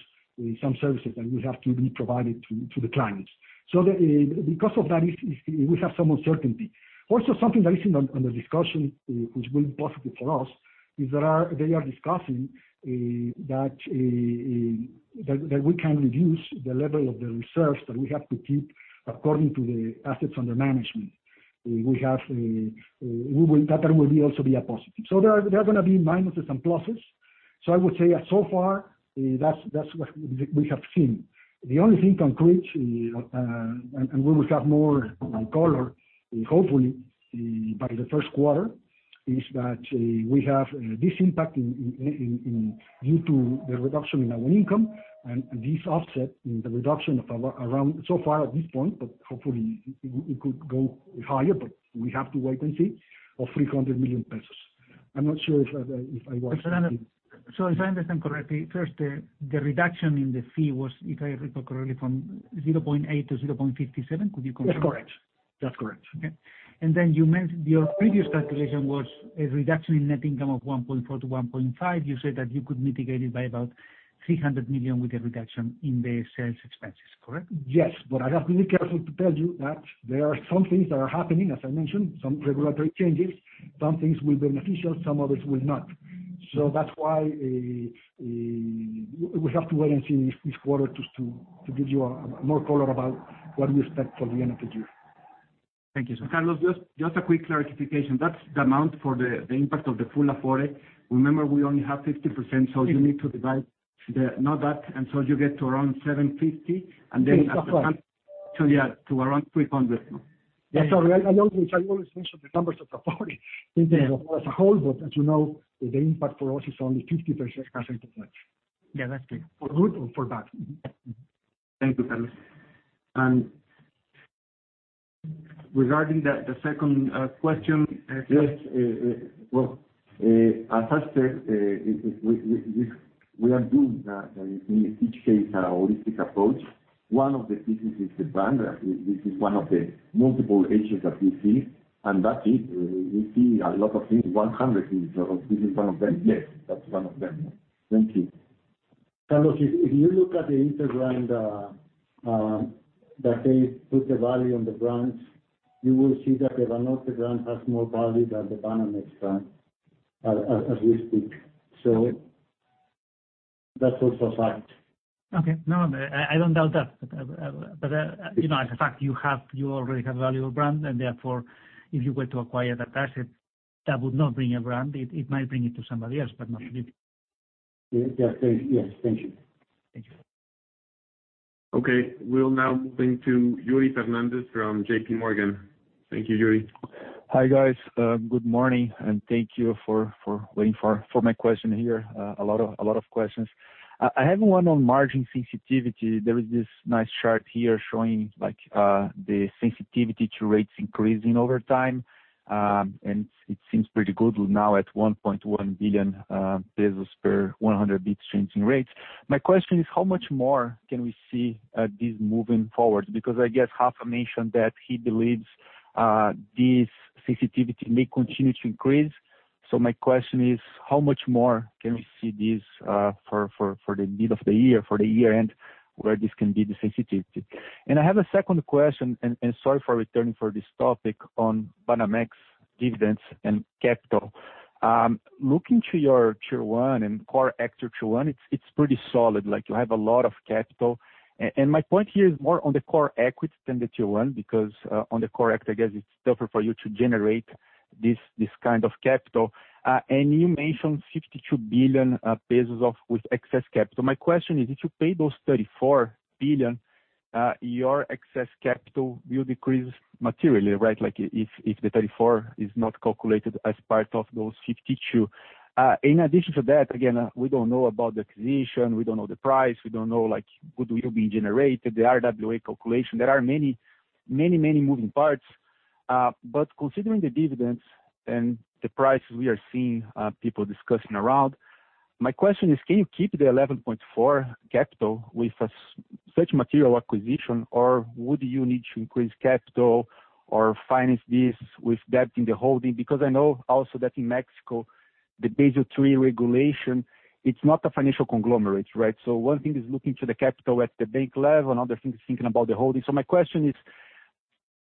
some services that will have to be provided to the clients. Because of that, we have some uncertainty. Also, something that is under discussion, which will be positive for us, is they are discussing that we can reduce the level of the reserves that we have to keep according to the assets under management. That will also be a positive. There are gonna be minuses and pluses. I would say that so far, that's what we have seen. The only thing concrete, and we will have more color hopefully by the Q1, is that we have this impact due to the reduction in our income and this offset in the reduction of around so far at this point, but hopefully it could go higher, but we have to wait and see, of 300 million pesos. I'm not sure if I was. Fernando, if I understand correctly, first, the reduction in the fee was, if I recall correctly, from 0.8 to 0.57. Could you confirm? That's correct. That's correct. Okay. You mentioned your previous calculation was a reduction in net income of 1.4-1.5. You said that you could mitigate it by about 300 million with a reduction in the sales expenses, correct? Yes. I have to be careful to tell you that there are some things that are happening, as I mentioned, some regulatory changes. Some things will be beneficial, some others will not. That's why we have to wait and see each quarter to give you more color about what we expect for the end of the year. Thank you, sir. Carlos, just a quick clarification. That's the amount for the impact of the full Afore. Remember, we only have 50%, so you need to divide the, not that, until you get to around 750, and then- Yes, that's right. Yeah, to around 300. Yeah. Sorry. I always mention the numbers of Afore in terms of Afore as a whole, but as you know, the impact for us is only 50% of that. Yeah, that's clear. For good or for bad. Thank you, Carlos. Regarding the second question. Yes. As I said, we are doing that in each case, a holistic approach. One of the pieces is the brand, which is one of the multiple issues that we see. That is, we see a lot of things. 100 in total. This is one of them? Yes, that's one of them. Thank you. Carlos, if you look at the Interbrand that they put the value on the brands, you will see that the Banorte brand has more value than the Banamex brand as we speak. That's also a fact. Okay. No, I don't doubt that. You know, as a fact, you already have a valuable brand and therefore, if you were to acquire that asset, that would not bring a brand. It might bring it to somebody else, but not to you. Yes. Thank you. Thank you. Okay. We'll now move on to Yuri Fernandez from J.P. Morgan. Thank you, Yuri. Hi, guys. Good morning, and thank you for waiting for my question here. A lot of questions. I have one on margin sensitivity. There is this nice chart here showing like the sensitivity to rates increasing over time. And it seems pretty good now at 1.1 billion pesos per 100 basis points change in rates. My question is how much more can we see this moving forward? Because I guess Rafa mentioned that he believes this sensitivity may continue to increase. So my question is how much more can we see this for the middle of the year, for the year end, where this can be the sensitivity? And I have a second question and sorry for returning for this topic on Banamex dividends and capital. Looking to your Tier 1 and Core Tier 1, it's pretty solid. Like, you have a lot of capital. My point here is more on the core equity than the Tier 1, because on the core equity, I guess it's tougher for you to generate this kind of capital. You mentioned 52 billion pesos of excess capital. My question is, if you pay those 34 billion, your excess capital will decrease materially, right? Like if the 34 is not calculated as part of those 52. In addition to that, again, we don't know about the acquisition, we don't know the price, we don't know what will be generated, the RWA calculation. There are many moving parts. Considering the dividends and the prices we are seeing, people discussing around, my question is can you keep the 11.4 capital with such material acquisition, or would you need to increase capital or finance this with debt in the holding? Because I know also that in Mexico, the Basel III regulation, it's not a financial conglomerate, right? One thing is looking to the capital at the bank level, another thing is thinking about the holding. My question is,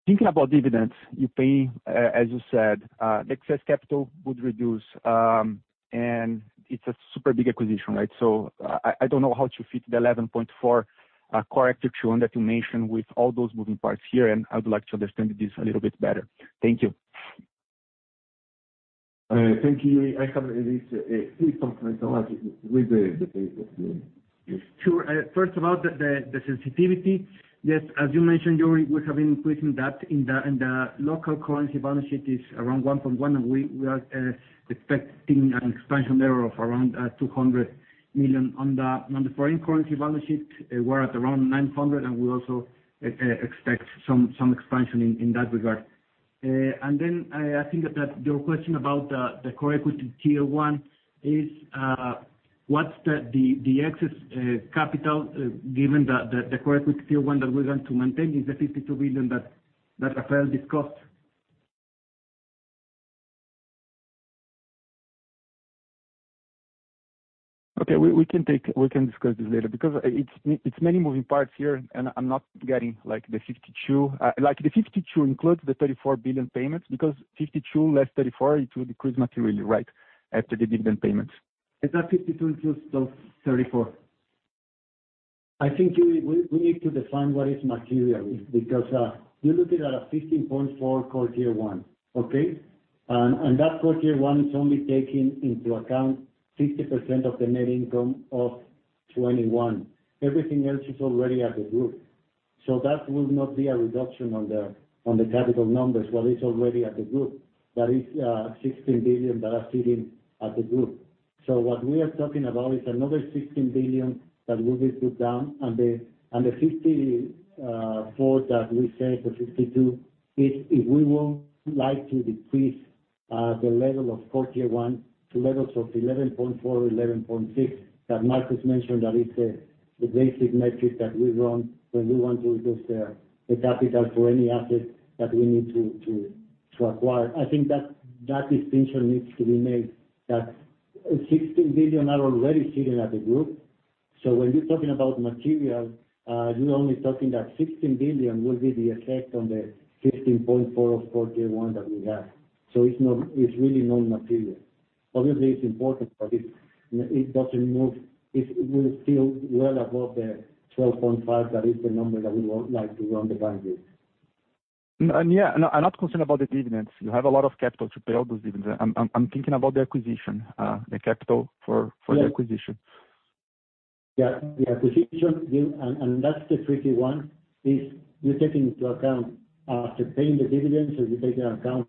thinking about dividends you pay, as you said, the excess capital would reduce, and it's a super big acquisition, right? I don't know how to fit the 11.4 core Tier 1 that you mentioned with all those moving parts here, and I would like to understand this a little bit better. Thank you. Thank you, Yuri. I have at least, please compliment a lot with the pesos. Sure. First of all, the sensitivity. Yes, as you mentioned, Yuri, we have been increasing that in the local currency. Balance sheet is around 1.1, and we are expecting an expansion there of around 200 million on the foreign currency balance sheet. We're at around 900, and we also expect some expansion in that regard. Then I think that your question about the Core Tier 1 is what's the excess capital given the Core Tier 1 that we're going to maintain is the 52 billion that Rafael discussed. Okay, we can discuss this later because it's many moving parts here, and I'm not getting like the 52. Like the 52 includes the 34 billion payments because 52 less 34, it will decrease materially, right? After the dividend payments. It's not 52 plus those 34. I think Yuri, we need to define what is material because you're looking at a 15.4 Core Tier 1, okay? That Core Tier 1 is only taking into account 60% of the net income of 2021. Everything else is already at the group. That will not be a reduction on the capital numbers, what is already at the group. That is 16 billion that are sitting at the group. What we are talking about is another 16 billion that will be put down. The 54 to 52 is if we would like to decrease the level of Core Tier 1 to levels of 11.4 or 11.6 that Marcos mentioned. That is the basic metric that we run when we want to reduce the capital for any asset that we need to acquire. I think that distinction needs to be made, that 16 billion are already sitting at the group. When you're talking about material, you're only talking that 16 billion will be the effect on the 15.4 of Core Tier 1 that we have. It's not. It's really non-material. Obviously, it's important, but it doesn't move. It will feel well above the 12.5. That is the number that we would like to run the bank with. Yeah, I'm not concerned about the dividends. You have a lot of capital to pay all those dividends. I'm thinking about the acquisition, the capital for the acquisition. Yeah. The acquisition, that's the tricky one, is you take into account after paying the dividends, so you take into account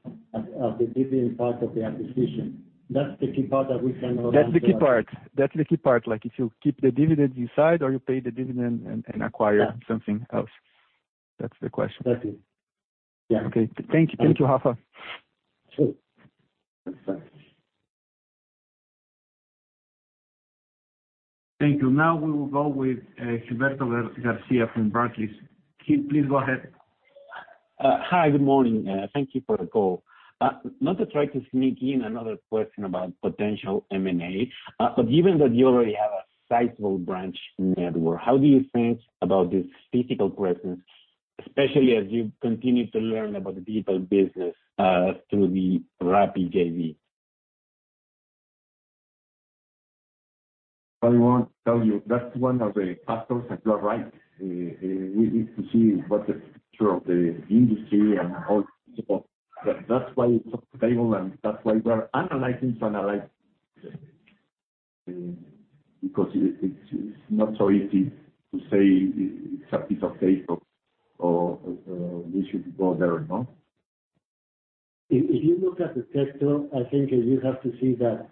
of the dividend part of the acquisition. That's the key part that we cannot answer. That's the key part. Like, if you keep the dividends inside or you pay the dividend and acquire something else. Yeah. That's the question. That's it. Yeah. Okay. Thank you. Thank you, Rafa. Sure. Thank you. Now we will go with Gilberto Garcia from Barclays. Gil, please go ahead. Hi, good morning. Thank you for the call. Not to try to sneak in another question about potential M&A, but given that you already have a sizable branch network, how do you think about this physical presence, especially as you continue to learn about the digital business, through the Rappi JV? I want to tell you that's one of the factors that you are right. We need to see what the future of the industry and all people. That's why it's sustainable, and that's why we are analyzing, because it's not so easy to say it's a piece of cake or we should go there or not. If you look at the sector, I think you have to see that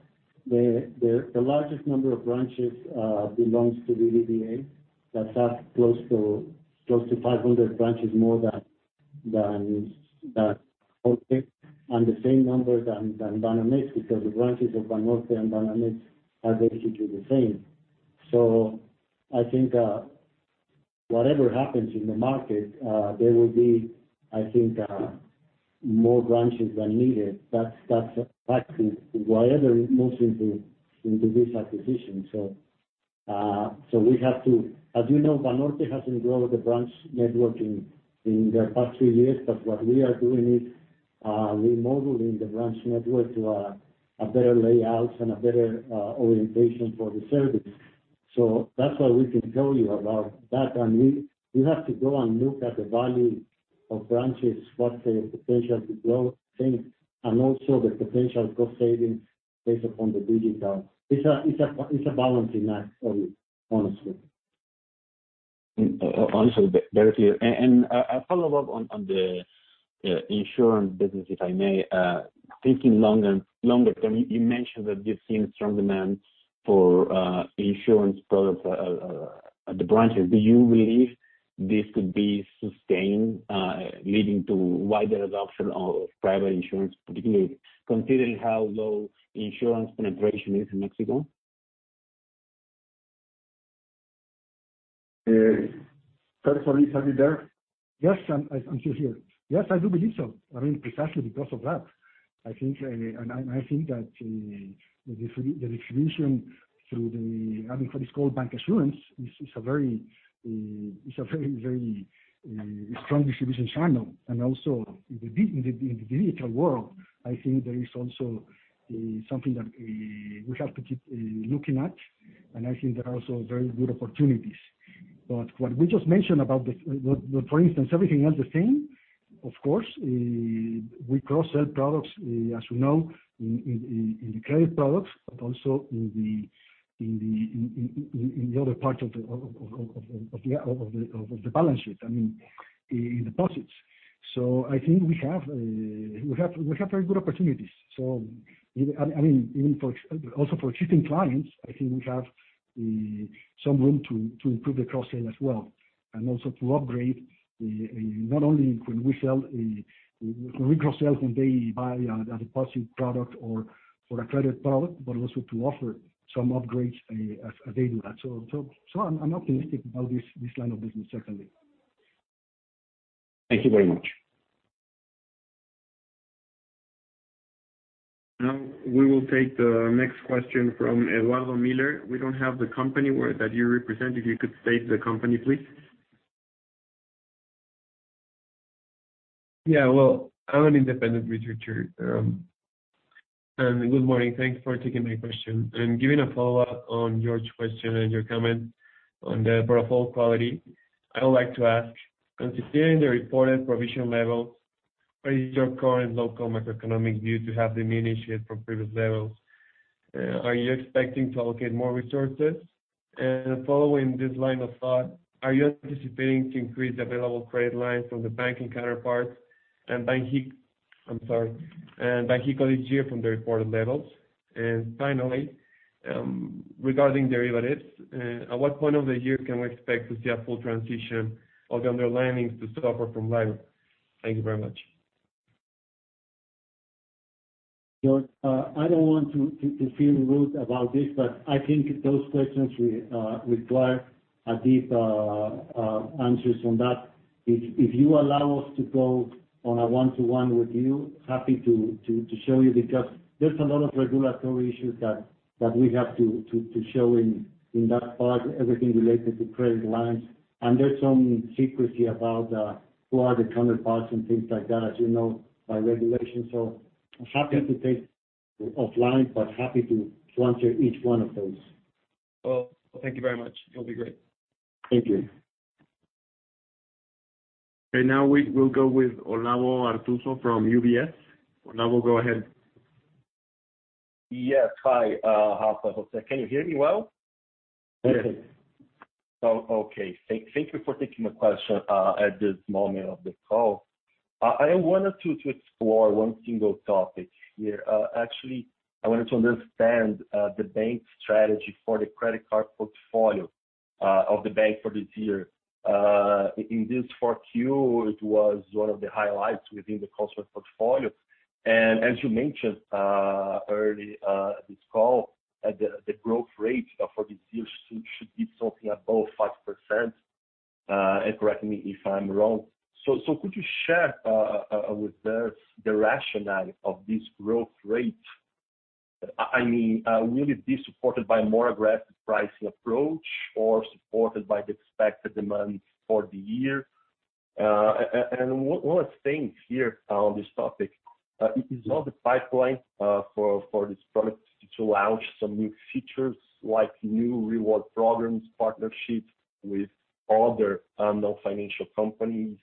the largest number of branches belongs to BBVA. That's up close to 500 branches more than Banorte. The same number than Banamex, because the branches of Banorte and Banamex are basically the same. I think whatever happens in the market, there will be, I think, more branches than needed. That's a factor why everyone moves into this acquisition. As you know, Banorte hasn't grown the branch network in the past three years. What we are doing is remodeling the branch network to a better layout and a better orientation for the service. That's what we can tell you about that. We have to go and look at the value of branches, what's their potential to grow things, and also the potential cost savings based upon the digital. It's a balancing act for you, honestly. Also very clear. A follow-up on the insurance business, if I may. Thinking longer term, you mentioned that you've seen strong demand for insurance products at the branches. Do you believe this could be sustained, leading to wider adoption of private insurance, particularly considering how low insurance penetration is in Mexico? Sorry, are you there? Yes, I'm still here. Yes, I do believe so. I mean, precisely because of that. I think that the distribution through the, I mean, what is called bancassurance, is a very strong distribution channel. Also in the digital world, I think there is also something that we have to keep looking at, and I think there are also very good opportunities. For instance, everything else the same, of course, we cross-sell products, as we know, in the credit products, but also in the other part of the balance sheet, I mean, in deposits. I think we have very good opportunities. I mean, also for acquiring clients, I think we have some room to improve the cross-sell as well, and also to upgrade, not only when we cross-sell, when they buy a deposit product or a credit product, but also to offer some upgrades as they do that. I'm optimistic about this line of business, certainly. Thank you very much. Now, we will take the next question from Edson Murguia. We don't have the company that you represent. If you could state the company, please. Yeah. Well, I'm an independent researcher. Good morning. Thank you for taking my question. Giving a follow-up on Jorge's question and your comment on the portfolio quality, I would like to ask, considering the reported provision level, are your current local macroeconomic view to have diminished from previous levels? Are you expecting to allocate more resources? Following this line of thought, are you anticipating to increase available credit lines from the banking counterparts and Banxico this year from the reported levels? Finally, regarding derivatives, at what point of the year can we expect to see a full transition of the underlyings to SOFR or from LIBOR? Thank you very much. George, I don't want to feel rude about this, but I think those questions require deep answers on that. If you allow us to go on a one-to-one with you, happy to show you because there's a lot of regulatory issues that we have to show in that part, everything related to credit lines. And there's some secrecy about who are the counterparts and things like that, as you know, by regulation. I'm happy to take offline, but happy to answer each one of those. Well, thank you very much. It'll be great. Thank you. Now we'll go with Olavo Arthuzo from UBS. Olavo, go ahead. Yes. Hi, Rafa, Jose, can you hear me well? Yes. Perfect. Okay. Thank you for taking my question at this moment of the call. I wanted to explore one single topic here. Actually, I wanted to understand the bank's strategy for the credit card portfolio of the bank for this year. In this Q4, it was one of the highlights within the customer portfolio. As you mentioned earlier this call, the growth rate for this year should be something above 5%, and correct me if I'm wrong. Could you share with us the rationale of this growth rate? I mean, will it be supported by more aggressive pricing approach or supported by the expected demand for the year? And one last thing here on this topic. Is there the pipeline for this product to launch some new features like new reward programs, partnerships with other non-financial companies?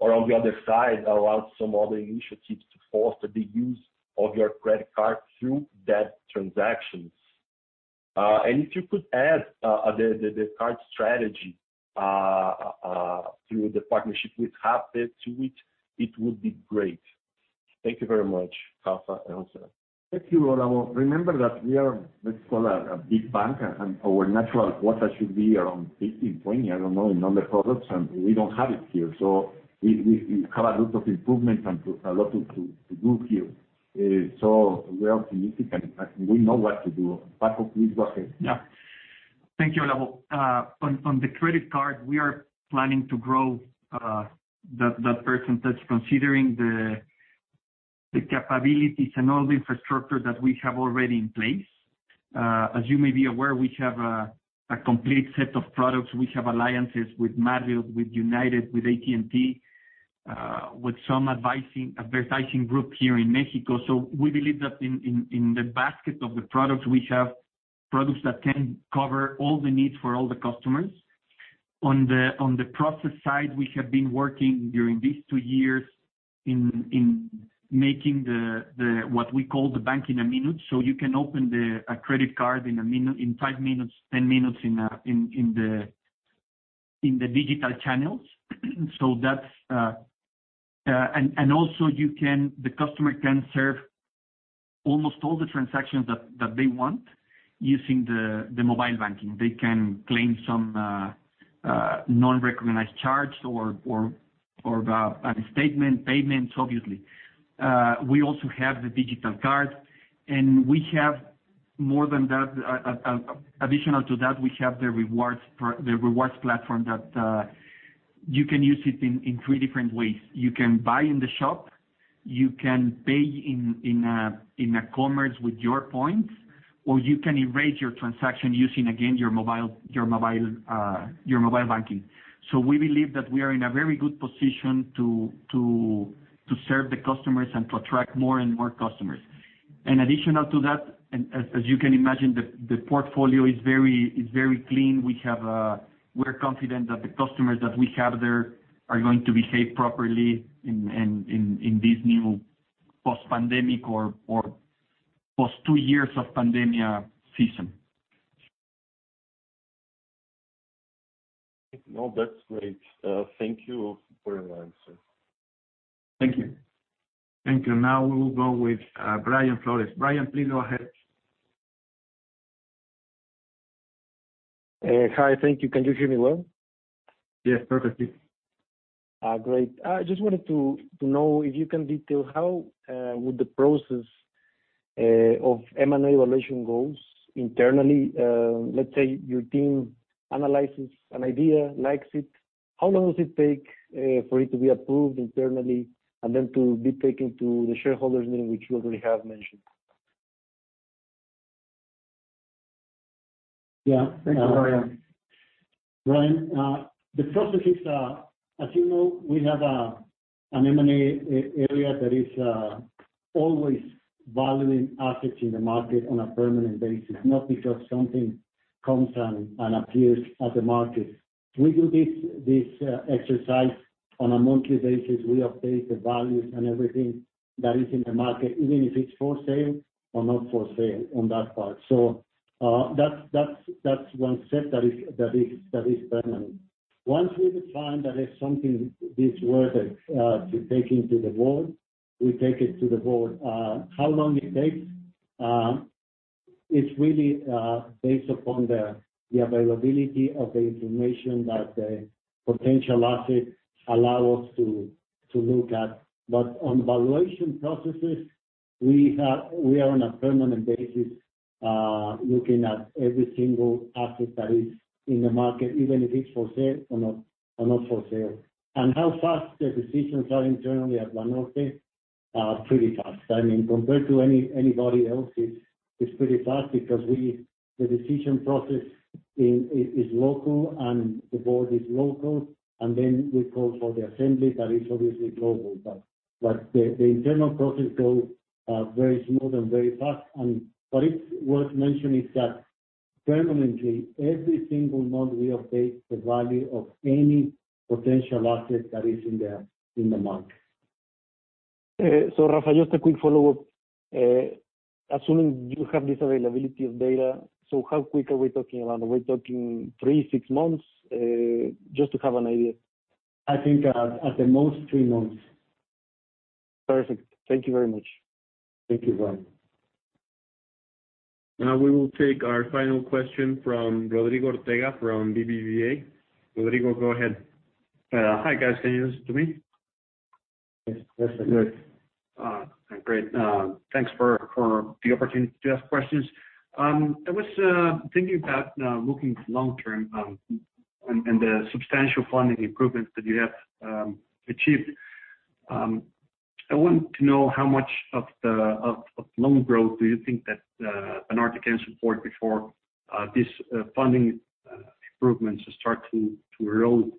Or on the other side, allow some other initiatives to foster the use of your credit card through debit transactions? If you could add the card strategy through the partnership with Rappi to it would be great. Thank you very much, Rafa, also. Thank you, Olavo. Remember that we are, let's call it, a big bank and our natural quota should be around 15-20, I don't know, in all the products, and we don't have it here. We have a lot of improvements and a lot to do here. We are optimistic, and we know what to do. Paco, please go ahead. Yeah. Thank you, Rolando. On the credit card, we are planning to grow that percentage considering the capabilities and all the infrastructure that we have already in place. As you may be aware, we have a complete set of products. We have alliances with Marriott, with United, with AT&T, with some advertising group here in Mexico. We believe that in the basket of the products, we have products that can cover all the needs for all the customers. On the process side, we have been working during these 2 years in making what we call the bank in a minute, so you can open a credit card in a minute, in 5 minutes, 10 minutes in the digital channels. That's Also the customer can serve almost all the transactions that they want using the mobile banking. They can claim some non-recognized charge or a statement, payments, obviously. We also have the digital cards, and we have more than that. Additional to that, we have the rewards platform that you can use it in three different ways. You can buy in the shop, you can pay in a commerce with your points, or you can erase your transaction using, again, your mobile banking. We believe that we are in a very good position to serve the customers and to attract more and more customers. Additional to that, as you can imagine, the portfolio is very clean. We're confident that the customers that we have there are going to behave properly in this new post-pandemic or post-two-years of pandemic season. No, that's great. Thank you for your answer. Thank you. Thank you. Now we will go with, Brian Flores. Brian, please go ahead. Hi. Thank you. Can you hear me well? Yes, perfectly. Great. I just wanted to know if you can detail how would the process of M&A evaluation goes internally. Let's say your team analyzes an idea, likes it. How long does it take for it to be approved internally and then to be taken to the shareholders' meeting, which you already have mentioned? Yeah. Thanks, Brian. Brian, as you know, we have an M&A area that is always valuing assets in the market on a permanent basis, not because something comes and appears in the market. We do this exercise on a monthly basis. We update the values and everything that is in the market, even if it's for sale or not for sale on that part. That's one step that is permanent. Once we define that it's something that's worth it to take into the board, we take it to the board. How long it takes, it's really based upon the availability of the information that the potential assets allow us to look at. On valuation processes, we are on a permanent basis, looking at every single asset that is in the market, even if it's for sale or not, or not for sale. How fast the decisions are internally at Banorte, pretty fast. I mean, compared to anybody else, it's pretty fast because we, the decision process is local and the board is local, and then we call for the assembly that is obviously global. The internal process goes very smooth and very fast. What is worth mentioning is that permanently, every single month, we update the value of any potential asset that is in the market. Rafa, just a quick follow-up. Assuming you have this availability of data, so how quick are we talking around? Are we talking 3, 6 months? Just to have an idea. I think at the most, three months. Perfect. Thank you very much. Thank you, Brian. Now we will take our final question from Rodrigo Ortega from BBVA. Rodrigo, go ahead. Hi, guys. Can you listen to me? Yes. Yes, we can. Great. Thanks for the opportunity to ask questions. I was thinking about looking long-term and the substantial funding improvements that you have achieved. I wanted to know how much of the loan growth do you think that Banorte can support before this funding improvements start to erode.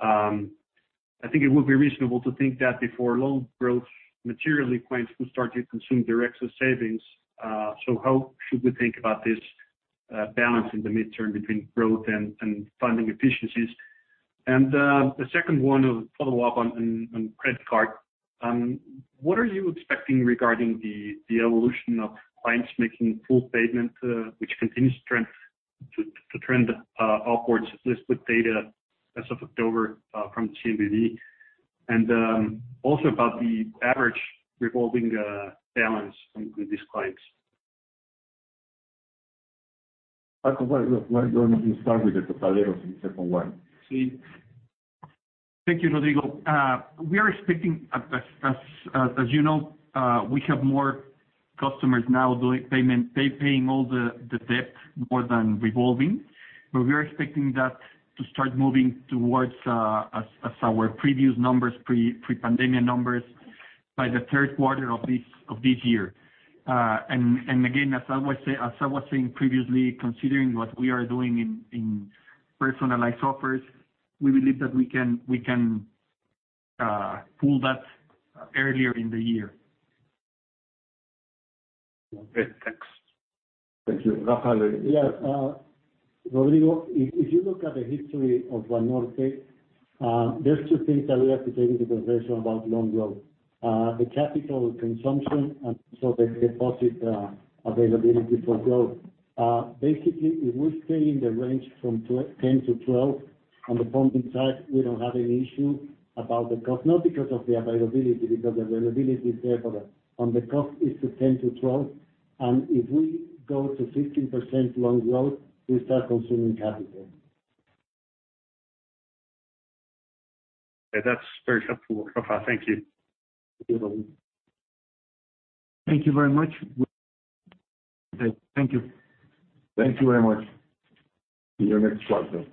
I think it would be reasonable to think that before loan growth materially points will start to consume the excess savings. How should we think about this balance in the mid-term between growth and funding efficiencies? The second one, a follow-up on credit card. What are you expecting regarding the evolution of clients making full payment, which continues to trend upwards with data as of October from CNBV? also about the average revolving balance with these clients. Marco, why don't you start with the first one? Yes. Thank you, Rodrigo. We are expecting, as you know, we have more customers now paying all the debt more than revolving. We are expecting that to start moving towards our previous numbers, pre-pandemic numbers by the Q3 of this year. Again, as I was saying previously, considering what we are doing in personalized offers, we believe that we can pull that earlier in the year. Okay, thanks. Thank you. Rafael? Yeah. Rodrigo, if you look at the history of Banorte, there's two things that we have to take into consideration about loan growth. The capital consumption and so the deposit availability for growth. Basically, if we stay in the range from 10%-12% on the funding side, we don't have any issue about the cost. Not because of the availability, because availability is there, but on the cost 10%-12%. If we go to 15% loan growth, we start consuming capital. Okay, that's very helpful, Rafael. Thank you. Thank you. Thank you very much. Okay, thank you. Thank you very much. Your next question.